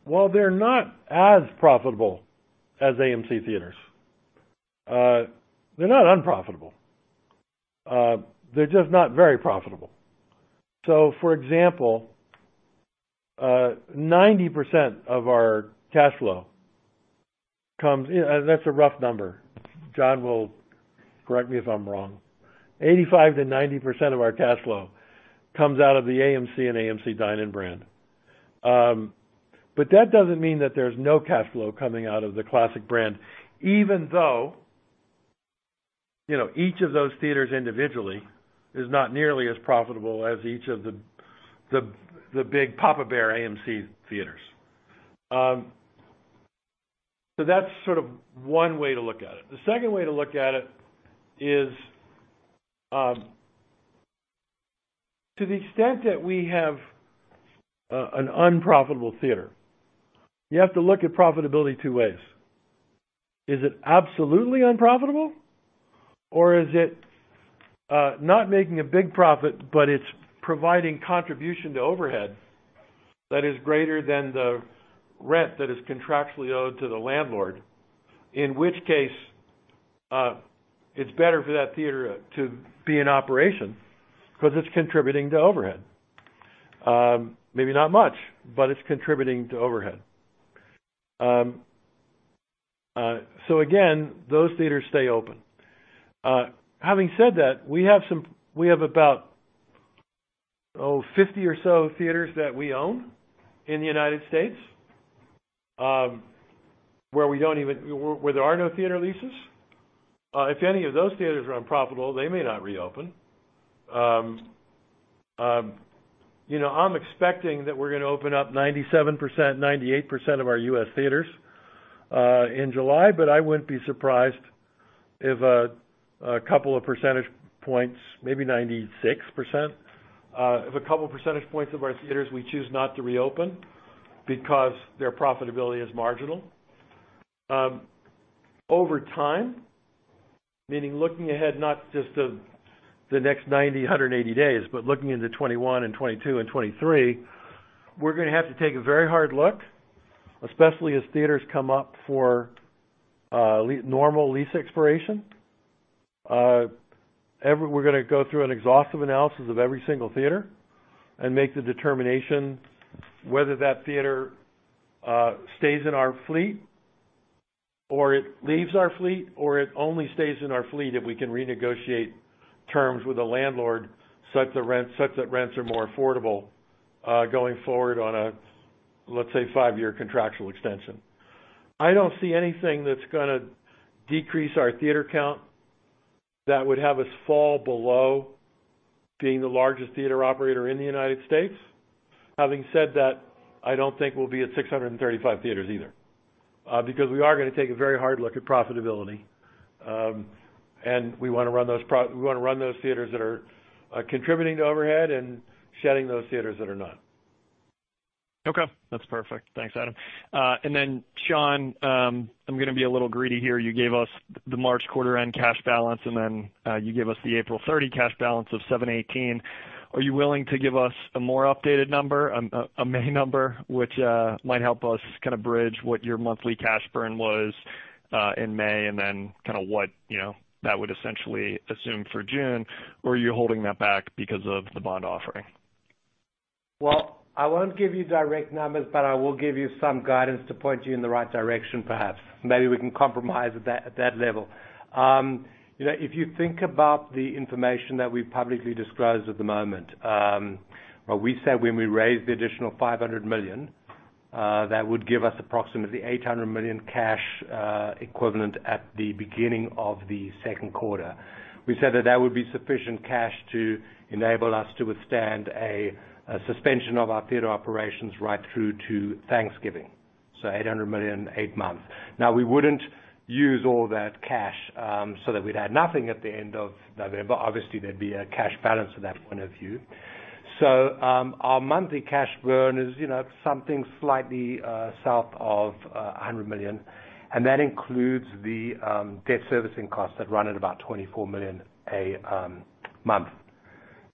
While they're not as profitable as AMC Theatres, they're not unprofitable. They're just not very profitable. For example, 90% of our cash flow comes. That's a rough number. John will correct me if I'm wrong. 85%-90% of our cash flow comes out of the AMC Entertainment Holdings and AMC Dine-In brand. That doesn't mean that there's no cash flow coming out of the classic brand, even though each of those theaters individually is not nearly as profitable as each of the big papa bear AMC Theatres. That's sort of one way to look at it. The second way to look at it is, to the extent that we have an unprofitable theater, you have to look at profitability two ways. Is it absolutely unprofitable, or is it not making a big profit, but it's providing contribution to overhead that is greater than the rent that is contractually owed to the landlord? In which case, it's better for that theater to be in operation because it's contributing to overhead. Maybe not much, but it's contributing to overhead. Again, those theaters stay open. Having said that, we have about 50 or so theaters that we own in the U.S., where there are no theater leases. If any of those theaters are unprofitable, they may not reopen. I'm expecting that we're going to open up 97%, 98% of our U.S. theaters in July, but I wouldn't be surprised if a couple of percentage points, maybe 96%, if a couple percentage points of our theaters, we choose not to reopen because their profitability is marginal. Over time, meaning looking ahead not just the next 90, 180 days, but looking into 2021 and 2022 and 2023, we're going to have to take a very hard look, especially as theaters come up for normal lease expiration. We're going to go through an exhaustive analysis of every single theater and make the determination whether that theater stays in our fleet or it leaves our fleet, or it only stays in our fleet if we can renegotiate terms with the landlord such that rents are more affordable going forward on a, let's say, five-year contractual extension. I don't see anything that's going to decrease our theater count that would have us fall below being the largest theater operator in the U.S. Having said that, I don't think we'll be at 635 theaters either. Because we are going to take a very hard look at profitability. We want to run those theaters that are contributing to overhead and shedding those theaters that are not. Okay. That's perfect. Thanks, Adam. Sean, I'm going to be a little greedy here. You gave us the March quarter-end cash balance, and then you gave us the April 30 cash balance of $718 million. Are you willing to give us a more updated number, a May number, which might help us kind of bridge what your monthly cash burn was in May, and then what that would essentially assume for June? Are you holding that back because of the bond offering? Well, I won't give you direct numbers, but I will give you some guidance to point you in the right direction, perhaps. Maybe we can compromise at that level. If you think about the information that we've publicly disclosed at the moment, well, we said when we raised the additional $500 million, that would give us approximately $800 million cash equivalent at the beginning of the second quarter. We said that that would be sufficient cash to enable us to withstand a suspension of our theater operations right through to Thanksgiving. $800 million, eight months. Now, we wouldn't use all that cash, so that we'd have nothing at the end of November. Obviously, there'd be a cash balance from that point of view. Our monthly cash burn is something slightly south of $100 million. That includes the debt servicing costs that run at about $24 million a month.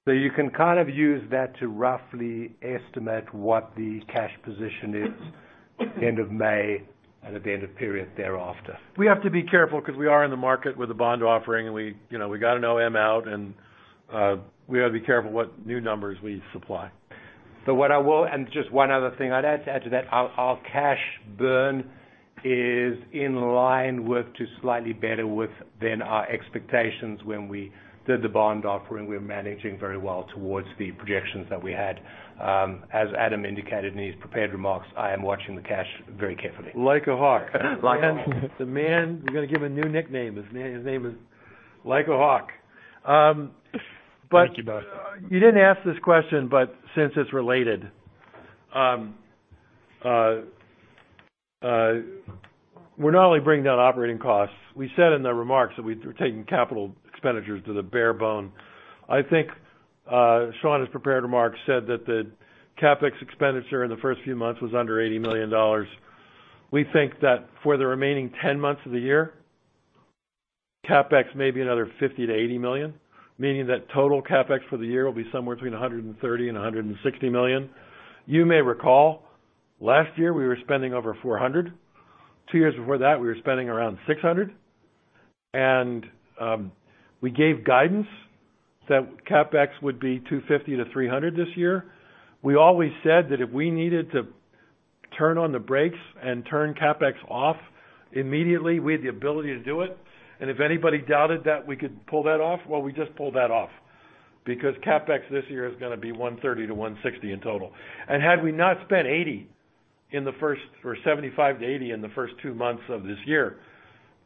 You can kind of use that to roughly estimate what the cash position is end of May and at the end of period thereafter. We have to be careful because we are in the market with a bond offering, and we got an OM out, and we got to be careful what new numbers we supply. Just one other thing I'd add to that. Our cash burn is in line with, or slightly better than our expectations when we did the bond offering. We're managing very well towards the projections that we had. As Adam indicated in his prepared remarks, I am watching the cash very carefully. Like a hawk. Like a hawk. We're going to give a new nickname. His name is Like a Hawk. Thank you both. You didn't ask this question, but since it's related. We're not only bringing down operating costs. We said in the remarks that we're taking capital expenditures to the bare bone. I think Sean, his prepared remarks said that the CapEx expenditure in the first few months was under $80 million. We think that for the remaining 10 months of the year, CapEx may be another $50 million-$80 million, meaning that total CapEx for the year will be somewhere between $130 million and $160 million. You may recall, last year, we were spending over $400 million. Two years before that, we were spending around $600 million. We gave guidance that CapEx would be $250 million-$300 million this year. We always said that if we needed to turn on the brakes and turn CapEx off immediately, we had the ability to do it. If anybody doubted that we could pull that off, well, we just pulled that off. CapEx this year is going to be $130 million-$160 million in total. Had we not spent $80 million or $75 million-$80 million in the first two months of this year,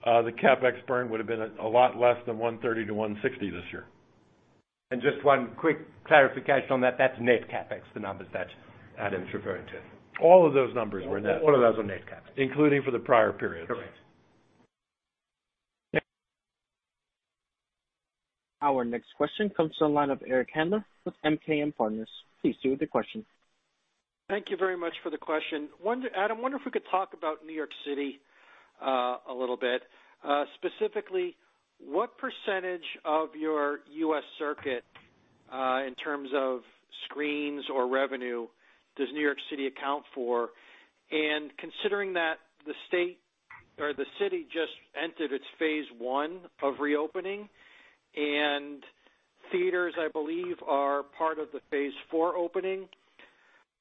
the CapEx burn would have been a lot less than $130 million-$160 million this year. Just one quick clarification on that's net CapEx, the numbers that Adam's referring to. All of those numbers were net. All of those were net CapEx. Including for the prior period. Correct. Our next question comes to the line of Eric Handler with MKM Partners. Please go with your question. Thank you very much for the question. Adam, wonder if we could talk about New York City a little bit. Specifically, what percentage of your U.S. circuit, in terms of screens or revenue, does New York City account for? Considering that the city just entered its phase 1 of reopening and theaters, I believe, are part of the phase 4 opening,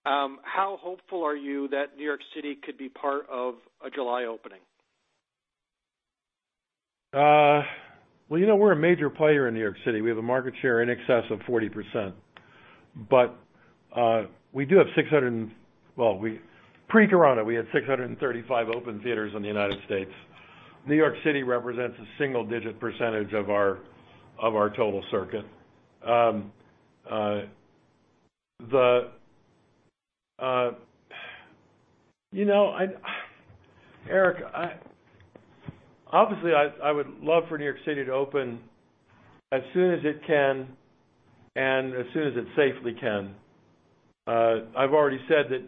how hopeful are you that New York City could be part of a July opening? Well, we're a major player in New York City. We have a market share in excess of 40%. Pre-corona, we had 635 open theaters in the United States. New York City represents a single-digit percentage of our total circuit. Eric, obviously, I would love for New York City to open as soon as it can and as soon as it safely can. I've already said that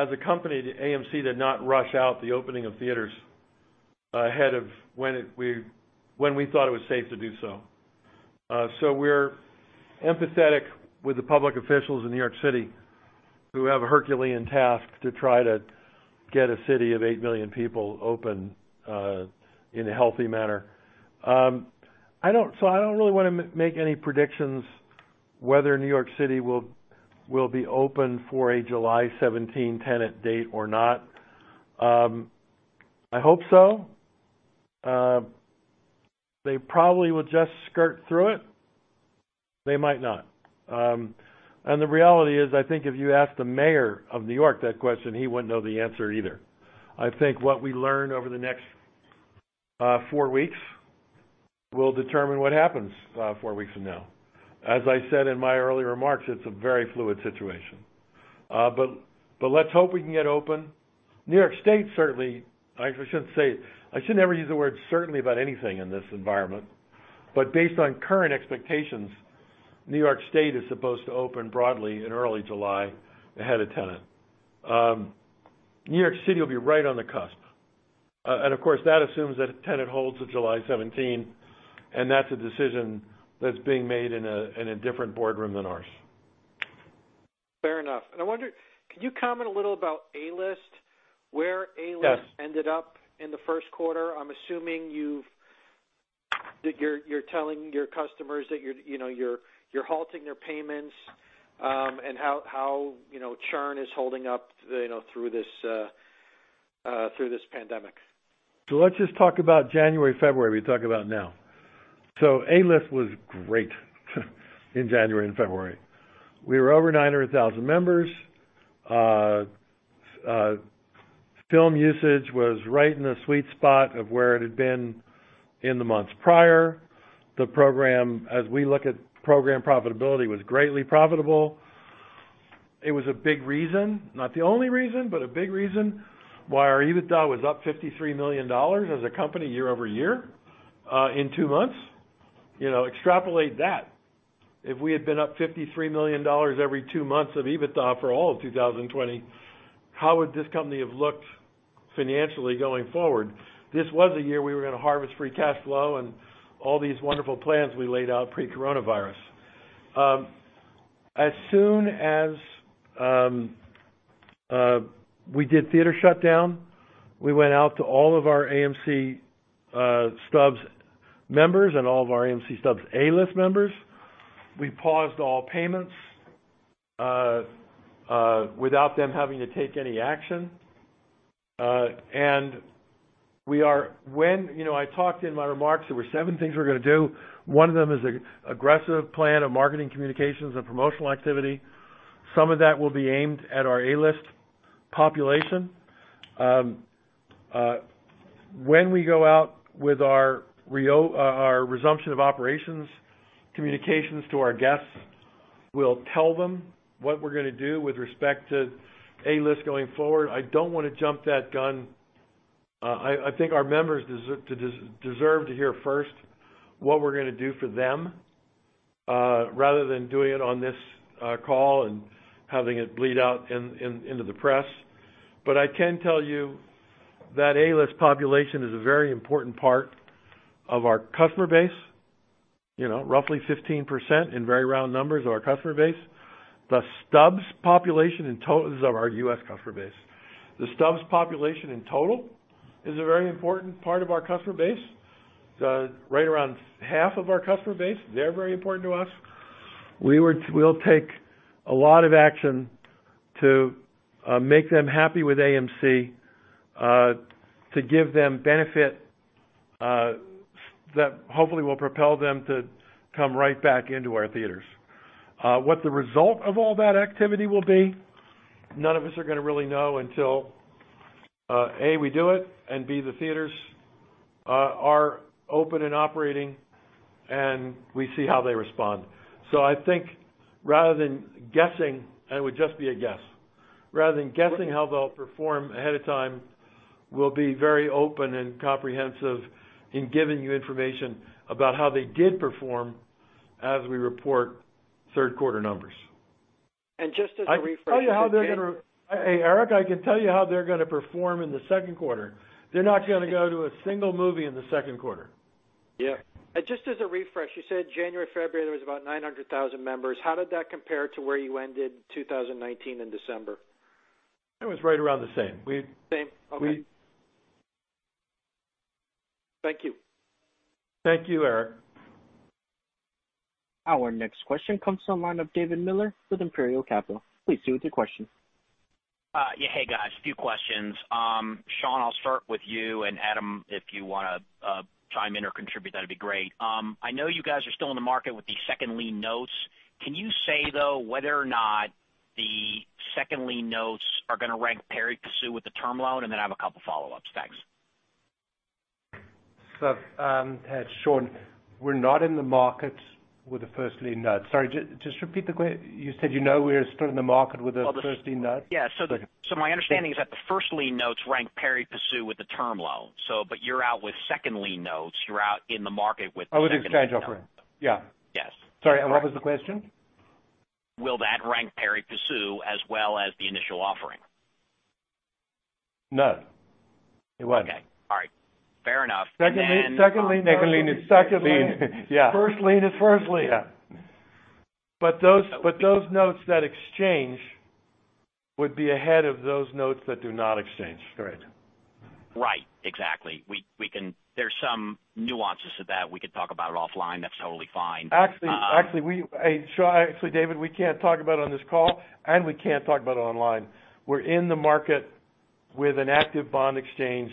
as a company, AMC Entertainment Holdings did not rush out the opening of theaters ahead of when we thought it was safe to do so. We're empathetic with the public officials in New York City who have a Herculean task to try to get a city of eight million people open in a healthy manner. I don't really want to make any predictions whether New York City will be open for a July 17 Tenet date or not. I hope so. They probably will just skirt through it. They might not. The reality is, I think if you ask the mayor of New York that question, he wouldn't know the answer either. I think what we learn over the next four weeks will determine what happens four weeks from now. As I said in my earlier remarks, it's a very fluid situation. Let's hope we can get open. New York State, I should never use the word certainly about anything in this environment, based on current expectations, New York State is supposed to open broadly in early July ahead of Tenet. New York City will be right on the cusp. Of course, that assumes that a Tenet holds the July 17, and that's a decision that's being made in a different boardroom than ours. Fair enough. I wonder, could you comment a little about A-List? Yes Where A-List ended up in the first quarter? I'm assuming that you're telling your customers that you're halting their payments, and how churn is holding up through this pandemic. Let's just talk about January, February. We talk about now. A-List was great in January and February. We were over 900,000 members. Film usage was right in the sweet spot of where it had been in the months prior. The program, as we look at program profitability, was greatly profitable. It was a big reason, not the only reason, but a big reason why our EBITDA was up $53 million as a company year-over-year, in two months. Extrapolate that. If we had been up $53 million every two months of EBITDA for all of 2020, how would this company have looked financially going forward? This was a year we were going to harvest free cash flow and all these wonderful plans we laid out pre-coronavirus. As soon as we did theater shutdown, we went out to all of our AMC Stubs members and all of our AMC Stubs A-List members. We paused all payments without them having to take any action. I talked in my remarks, there were seven things we're going to do. One of them is aggressive plan of marketing communications and promotional activity. Some of that will be aimed at our A-List population. When we go out with our resumption of operations communications to our guests, we'll tell them what we're going to do with respect to A-List going forward. I don't want to jump that gun. I think our members deserve to hear first what we're going to do for them, rather than doing it on this call and having it bleed out into the press. I can tell you that A-List population is a very important part of our customer base. Roughly 15%, in very round numbers, of our customer base. The AMC Stubs population in total. This is of our U.S. customer base. The Stubs population in total is a very important part of our customer base. Right around half of our customer base, they're very important to us. We'll take a lot of action to make them happy with AMC Entertainment Holdings, to give them benefit, that hopefully will propel them to come right back into our theaters. What the result of all that activity will be, none of us are going to really know until, A, we do it, and B, the theaters are open and operating, and we see how they respond. I think rather than guessing, and it would just be a guess. Rather than guessing how they'll perform ahead of time, we'll be very open and comprehensive in giving you information about how they did perform as we report third quarter numbers. Just as a refresh. Hey, Eric, I can tell you how they're going to perform in the second quarter. They're not going to go to a single movie in the second quarter. Yeah. Just as a refresh, you said January, February, there was about 900,000 members. How did that compare to where you ended 2019 in December? It was right around the same. Same. Okay. We- Thank you. Thank you, Eric. Our next question comes from the line of David Miller with Imperial Capital. Please go with your question. Yeah. Hey, guys. A few questions. Sean, I'll start with you, and Adam, if you want to chime in or contribute, that'd be great. I know you guys are still in the market with the second lien notes. Can you say, though, whether or not the second lien notes are going to rank pari passu with the term loan? Then I have a couple of follow-ups. Thanks. Sean, we're not in the market with the first lien notes. Sorry, just repeat the question. You said you know we are still in the market with the first lien notes? Yeah. My understanding is that the first lien notes rank pari passu with the term loan. You're out with second lien notes, you're out in the market. Oh, with the exchange offering. Yeah. Yes. Sorry, what was the question? Will that rank pari passu as well as the initial offering? No, it won't. Okay. All right. Fair enough. Second lien is second lien. First lien is first lien. Yeah. Those notes that exchange would be ahead of those notes that do not exchange. Correct. Right. Exactly. There's some nuances to that we could talk about offline. That's totally fine. Actually, David, we can't talk about it on this call, and we can't talk about it online. We're in the market with an active bond exchange.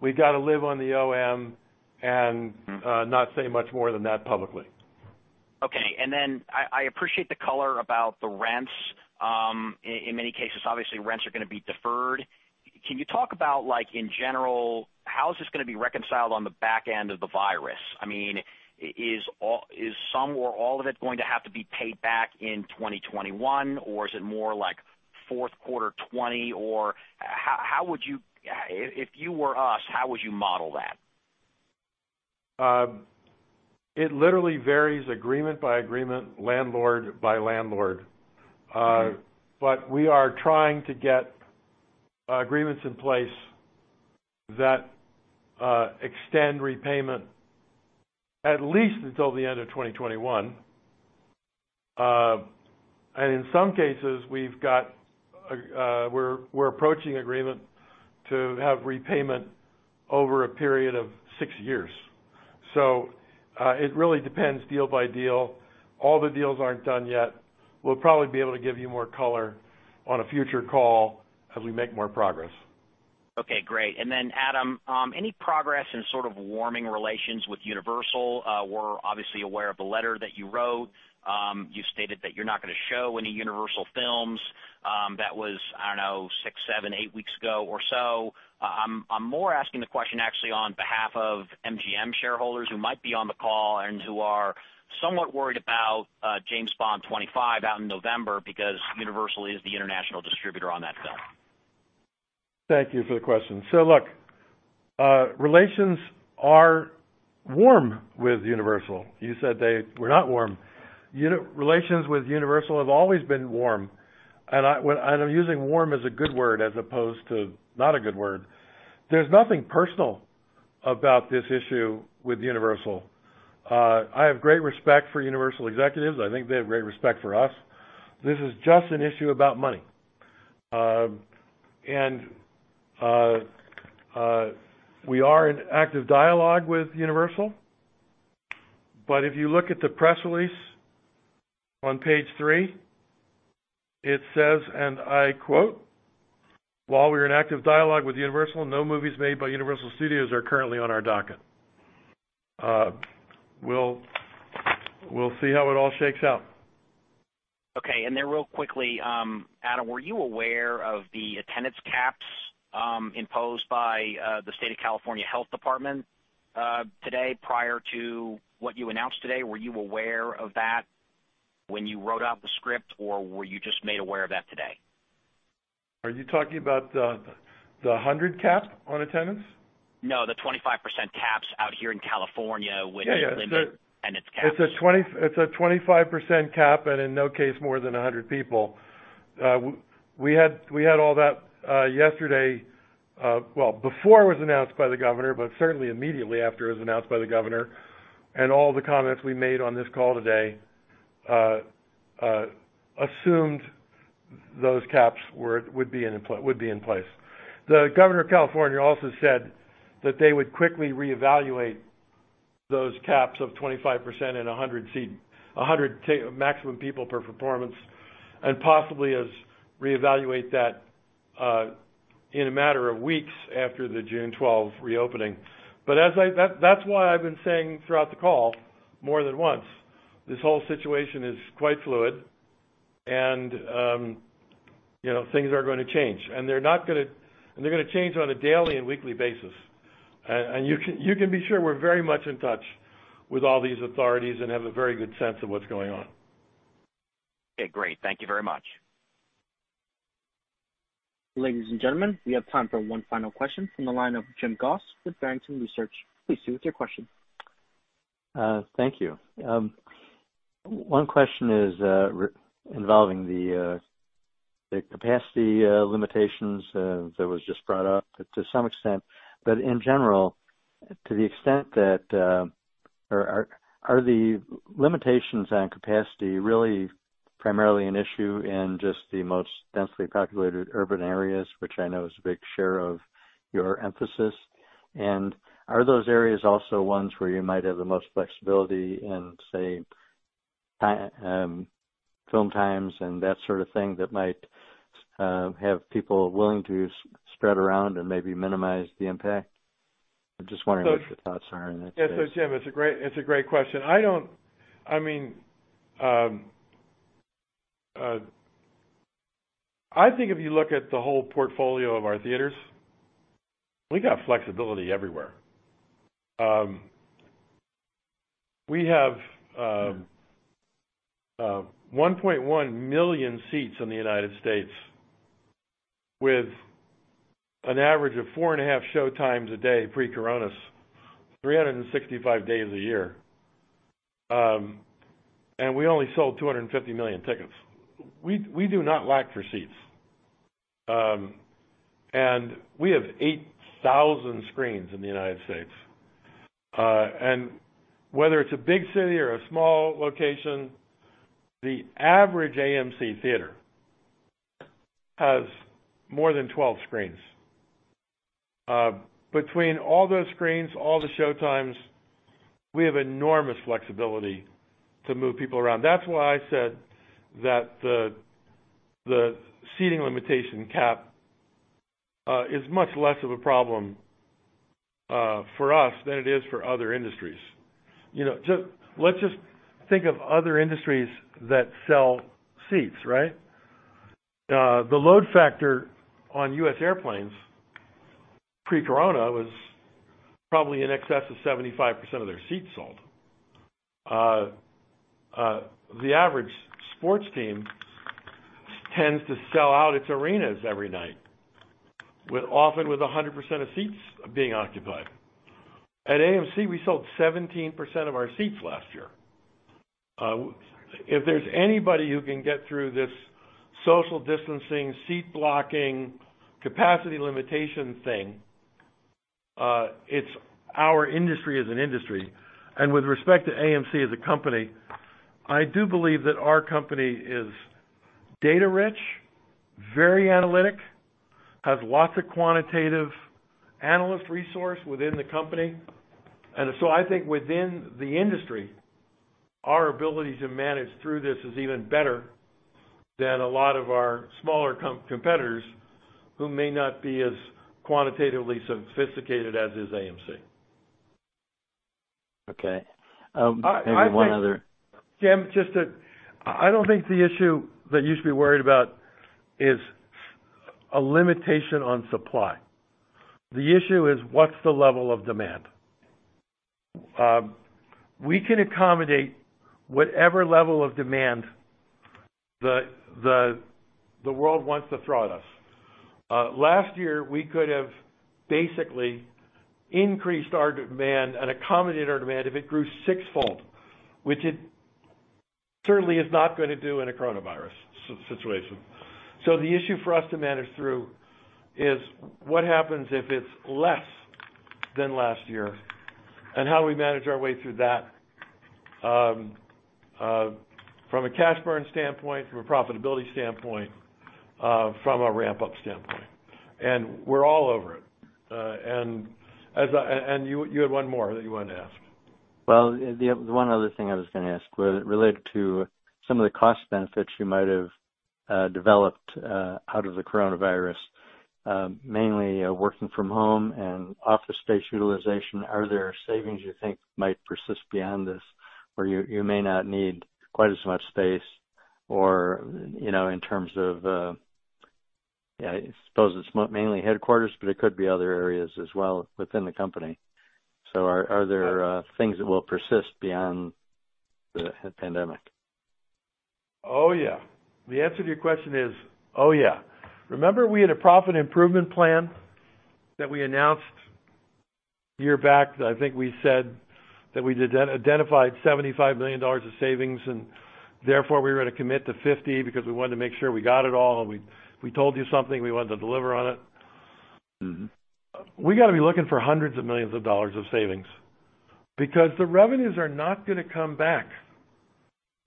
We've got to live on the OM and not say much more than that publicly. Okay. I appreciate the color about the rents. In many cases, obviously rents are going to be deferred. Can you talk about, in general, how is this going to be reconciled on the back end of the virus? Is some or all of it going to have to be paid back in 2021, or is it more like fourth quarter 2020? If you were us, how would you model that? It literally varies agreement by agreement, landlord by landlord. We are trying to get agreements in place that extend repayment at least until the end of 2021. In some cases, we're approaching agreement to have repayment over a period of six years. It really depends deal by deal. All the deals aren't done yet. We'll probably be able to give you more color on a future call as we make more progress. Okay, great. Adam, any progress in sort of warming relations with Universal? We're obviously aware of the letter that you wrote. You stated that you're not going to show any Universal films. That was, I don't know, six, seven, eight weeks ago or so. I'm more asking the question, actually, on behalf of MGM shareholders who might be on the call and who are somewhat worried about James Bond 25 out in November because Universal Pictures is the international distributor on that film. Thank you for the question. Look, relations are warm with Universal Pictures. You said they were not warm. Relations with Universal Pictures have always been warm, and I'm using warm as a good word as opposed to not a good word. There's nothing personal about this issue with Universal Pictures. I have great respect for Universal Pictures executives. I think they have great respect for us. This is just an issue about money. We are in active dialogue with Universal Pictures. If you look at the press release on page three, it says, and I quote, "While we are in active dialogue with Universal, no movies made by Universal Studios are currently on our docket." We'll see how it all shakes out. Okay. Real quickly, Adam, were you aware of the attendance caps imposed by the California Department of Public Health today? Prior to what you announced today, were you aware of that when you wrote out the script, or were you just made aware of that today? Are you talking about the 100 cap on attendance? No, the 25% caps out here in California with a limit, and it's capped. It's a 25% cap, and in no case more than 100 people. We had all that yesterday. Well, before it was announced by the governor, but certainly immediately after it was announced by the governor, all the comments we made on this call today assumed those caps would be in place. The governor of California also said that they would quickly reevaluate those caps of 25% and 100 maximum people per performance, and possibly reevaluate that in a matter of weeks after the June 12 reopening. That's why I've been saying throughout the call more than once, this whole situation is quite fluid, and things are going to change. They're going to change on a daily and weekly basis. You can be sure we're very much in touch with all these authorities and have a very good sense of what's going on. Okay, great. Thank you very much. Ladies and gentlemen, we have time for one final question from the line of Jim Goss with Barrington Research. Please proceed with your question. Thank you. One question is involving the capacity limitations that was just brought up to some extent. In general, to the extent, are the limitations on capacity really primarily an issue in just the most densely populated urban areas, which I know is a big share of your emphasis? Are those areas also ones where you might have the most flexibility in, say, film times and that sort of thing that might have people willing to spread around and maybe minimize the impact? I'm just wondering what your thoughts are in that space. Jim, it's a great question. I think if you look at the whole portfolio of our theaters, we got flexibility everywhere. We have 1.1 million seats in the U.S. with an average of 4.5 show times a day pre-COVID-19, 365 days a year. We only sold 250 million tickets. We do not lack for seats. We have 8,000 screens in the U.S. Whether it's a big city or a small location, the average AMC Theater has more than 12 screens. Between all those screens, all the show times, we have enormous flexibility to move people around. That's why I said that the seating limitation cap is much less of a problem for us than it is for other industries. Let's just think of other industries that sell seats, right? The load factor on U.S. airplanes pre-corona was probably in excess of 75% of their seats sold. The average sports team tends to sell out its arenas every night, often with 100% of seats being occupied. At AMC Entertainment Holdings, we sold 17% of our seats last year. If there's anybody who can get through this social distancing, seat blocking, capacity limitation thing, it's our industry as an industry. With respect to AMC Entertainment Holdings as a company, I do believe that our company is data-rich, very analytic, has lots of quantitative analyst resource within the company. I think within the industry, our ability to manage through this is even better than a lot of our smaller competitors who may not be as quantitatively sophisticated as is AMC Entertainment Holdings. Okay. Maybe one other- Jim, I don't think the issue that you should be worried about is a limitation on supply. The issue is what's the level of demand. We can accommodate whatever level of demand the world wants to throw at us. Last year, we could have basically increased our demand and accommodated our demand if it grew sixfold, which it certainly is not going to do in a coronavirus situation. The issue for us to manage through is what happens if it's less than last year, and how we manage our way through that from a cash burn standpoint, from a profitability standpoint, from a ramp-up standpoint. We're all over it. You had one more that you wanted to ask. Well, the one other thing I was going to ask was related to some of the cost benefits you might have developed out of the coronavirus, mainly working from home and office space utilization. Are there savings you think might persist beyond this, where you may not need quite as much space, in terms of, I suppose it's mainly headquarters, but it could be other areas as well within the company. Are there things that will persist beyond the pandemic? Oh, yeah. The answer to your question is, oh, yeah. Remember we had a profit improvement plan that we announced a year back that I think we said that we identified $75 million of savings, and therefore, we were going to commit to $50 million because we wanted to make sure we got it all, and if we told you something, we wanted to deliver on it? We got to be looking for hundreds of millions of dollars of savings because the revenues are not going to come back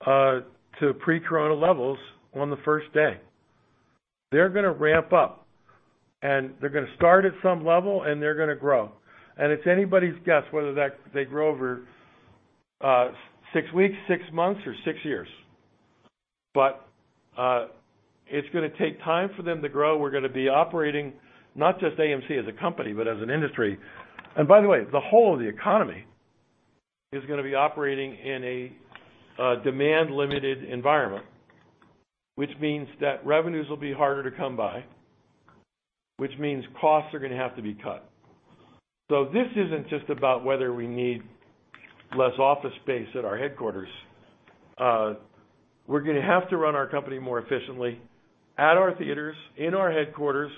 to pre-corona levels on the first day. They're going to ramp up, they're going to start at some level, and they're going to grow. It's anybody's guess whether they grow over six weeks, six months, or six years. It's going to take time for them to grow. We're going to be operating, not just AMC Entertainment Holdings as a company, but as an industry. By the way, the whole of the economy is going to be operating in a demand-limited environment. Which means that revenues will be harder to come by, which means costs are going to have to be cut. This isn't just about whether we need less office space at our headquarters. We're going to have to run our company more efficiently at our theaters, in our headquarters.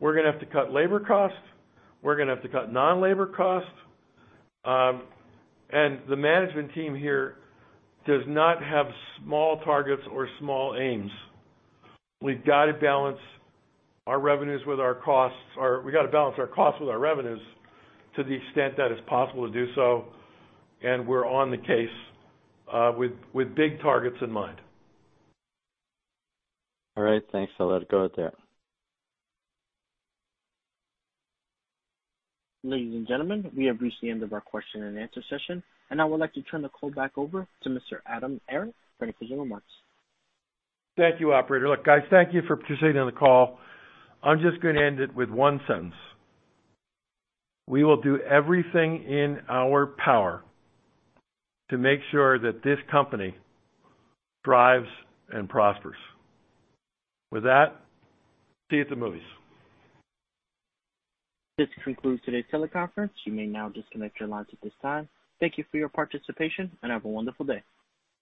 We're going to have to cut labor costs. We're going to have to cut non-labor costs. The management team here does not have small targets or small aims. We've got to balance our costs with our revenues to the extent that it's possible to do so, and we're on the case, with big targets in mind. All right, thanks. I'll let it go at that. Ladies and gentlemen, we have reached the end of our question and answer session. I would like to turn the call back over to Mr. Adam Aron for any closing remarks. Thank you, operator. Look, guys, thank you for participating on the call. I'm just going to end it with one sentence. We will do everything in our power to make sure that this company thrives and prospers. With that, see you at the movies. This concludes today's teleconference. You may now disconnect your lines at this time. Thank you for your participation, and have a wonderful day.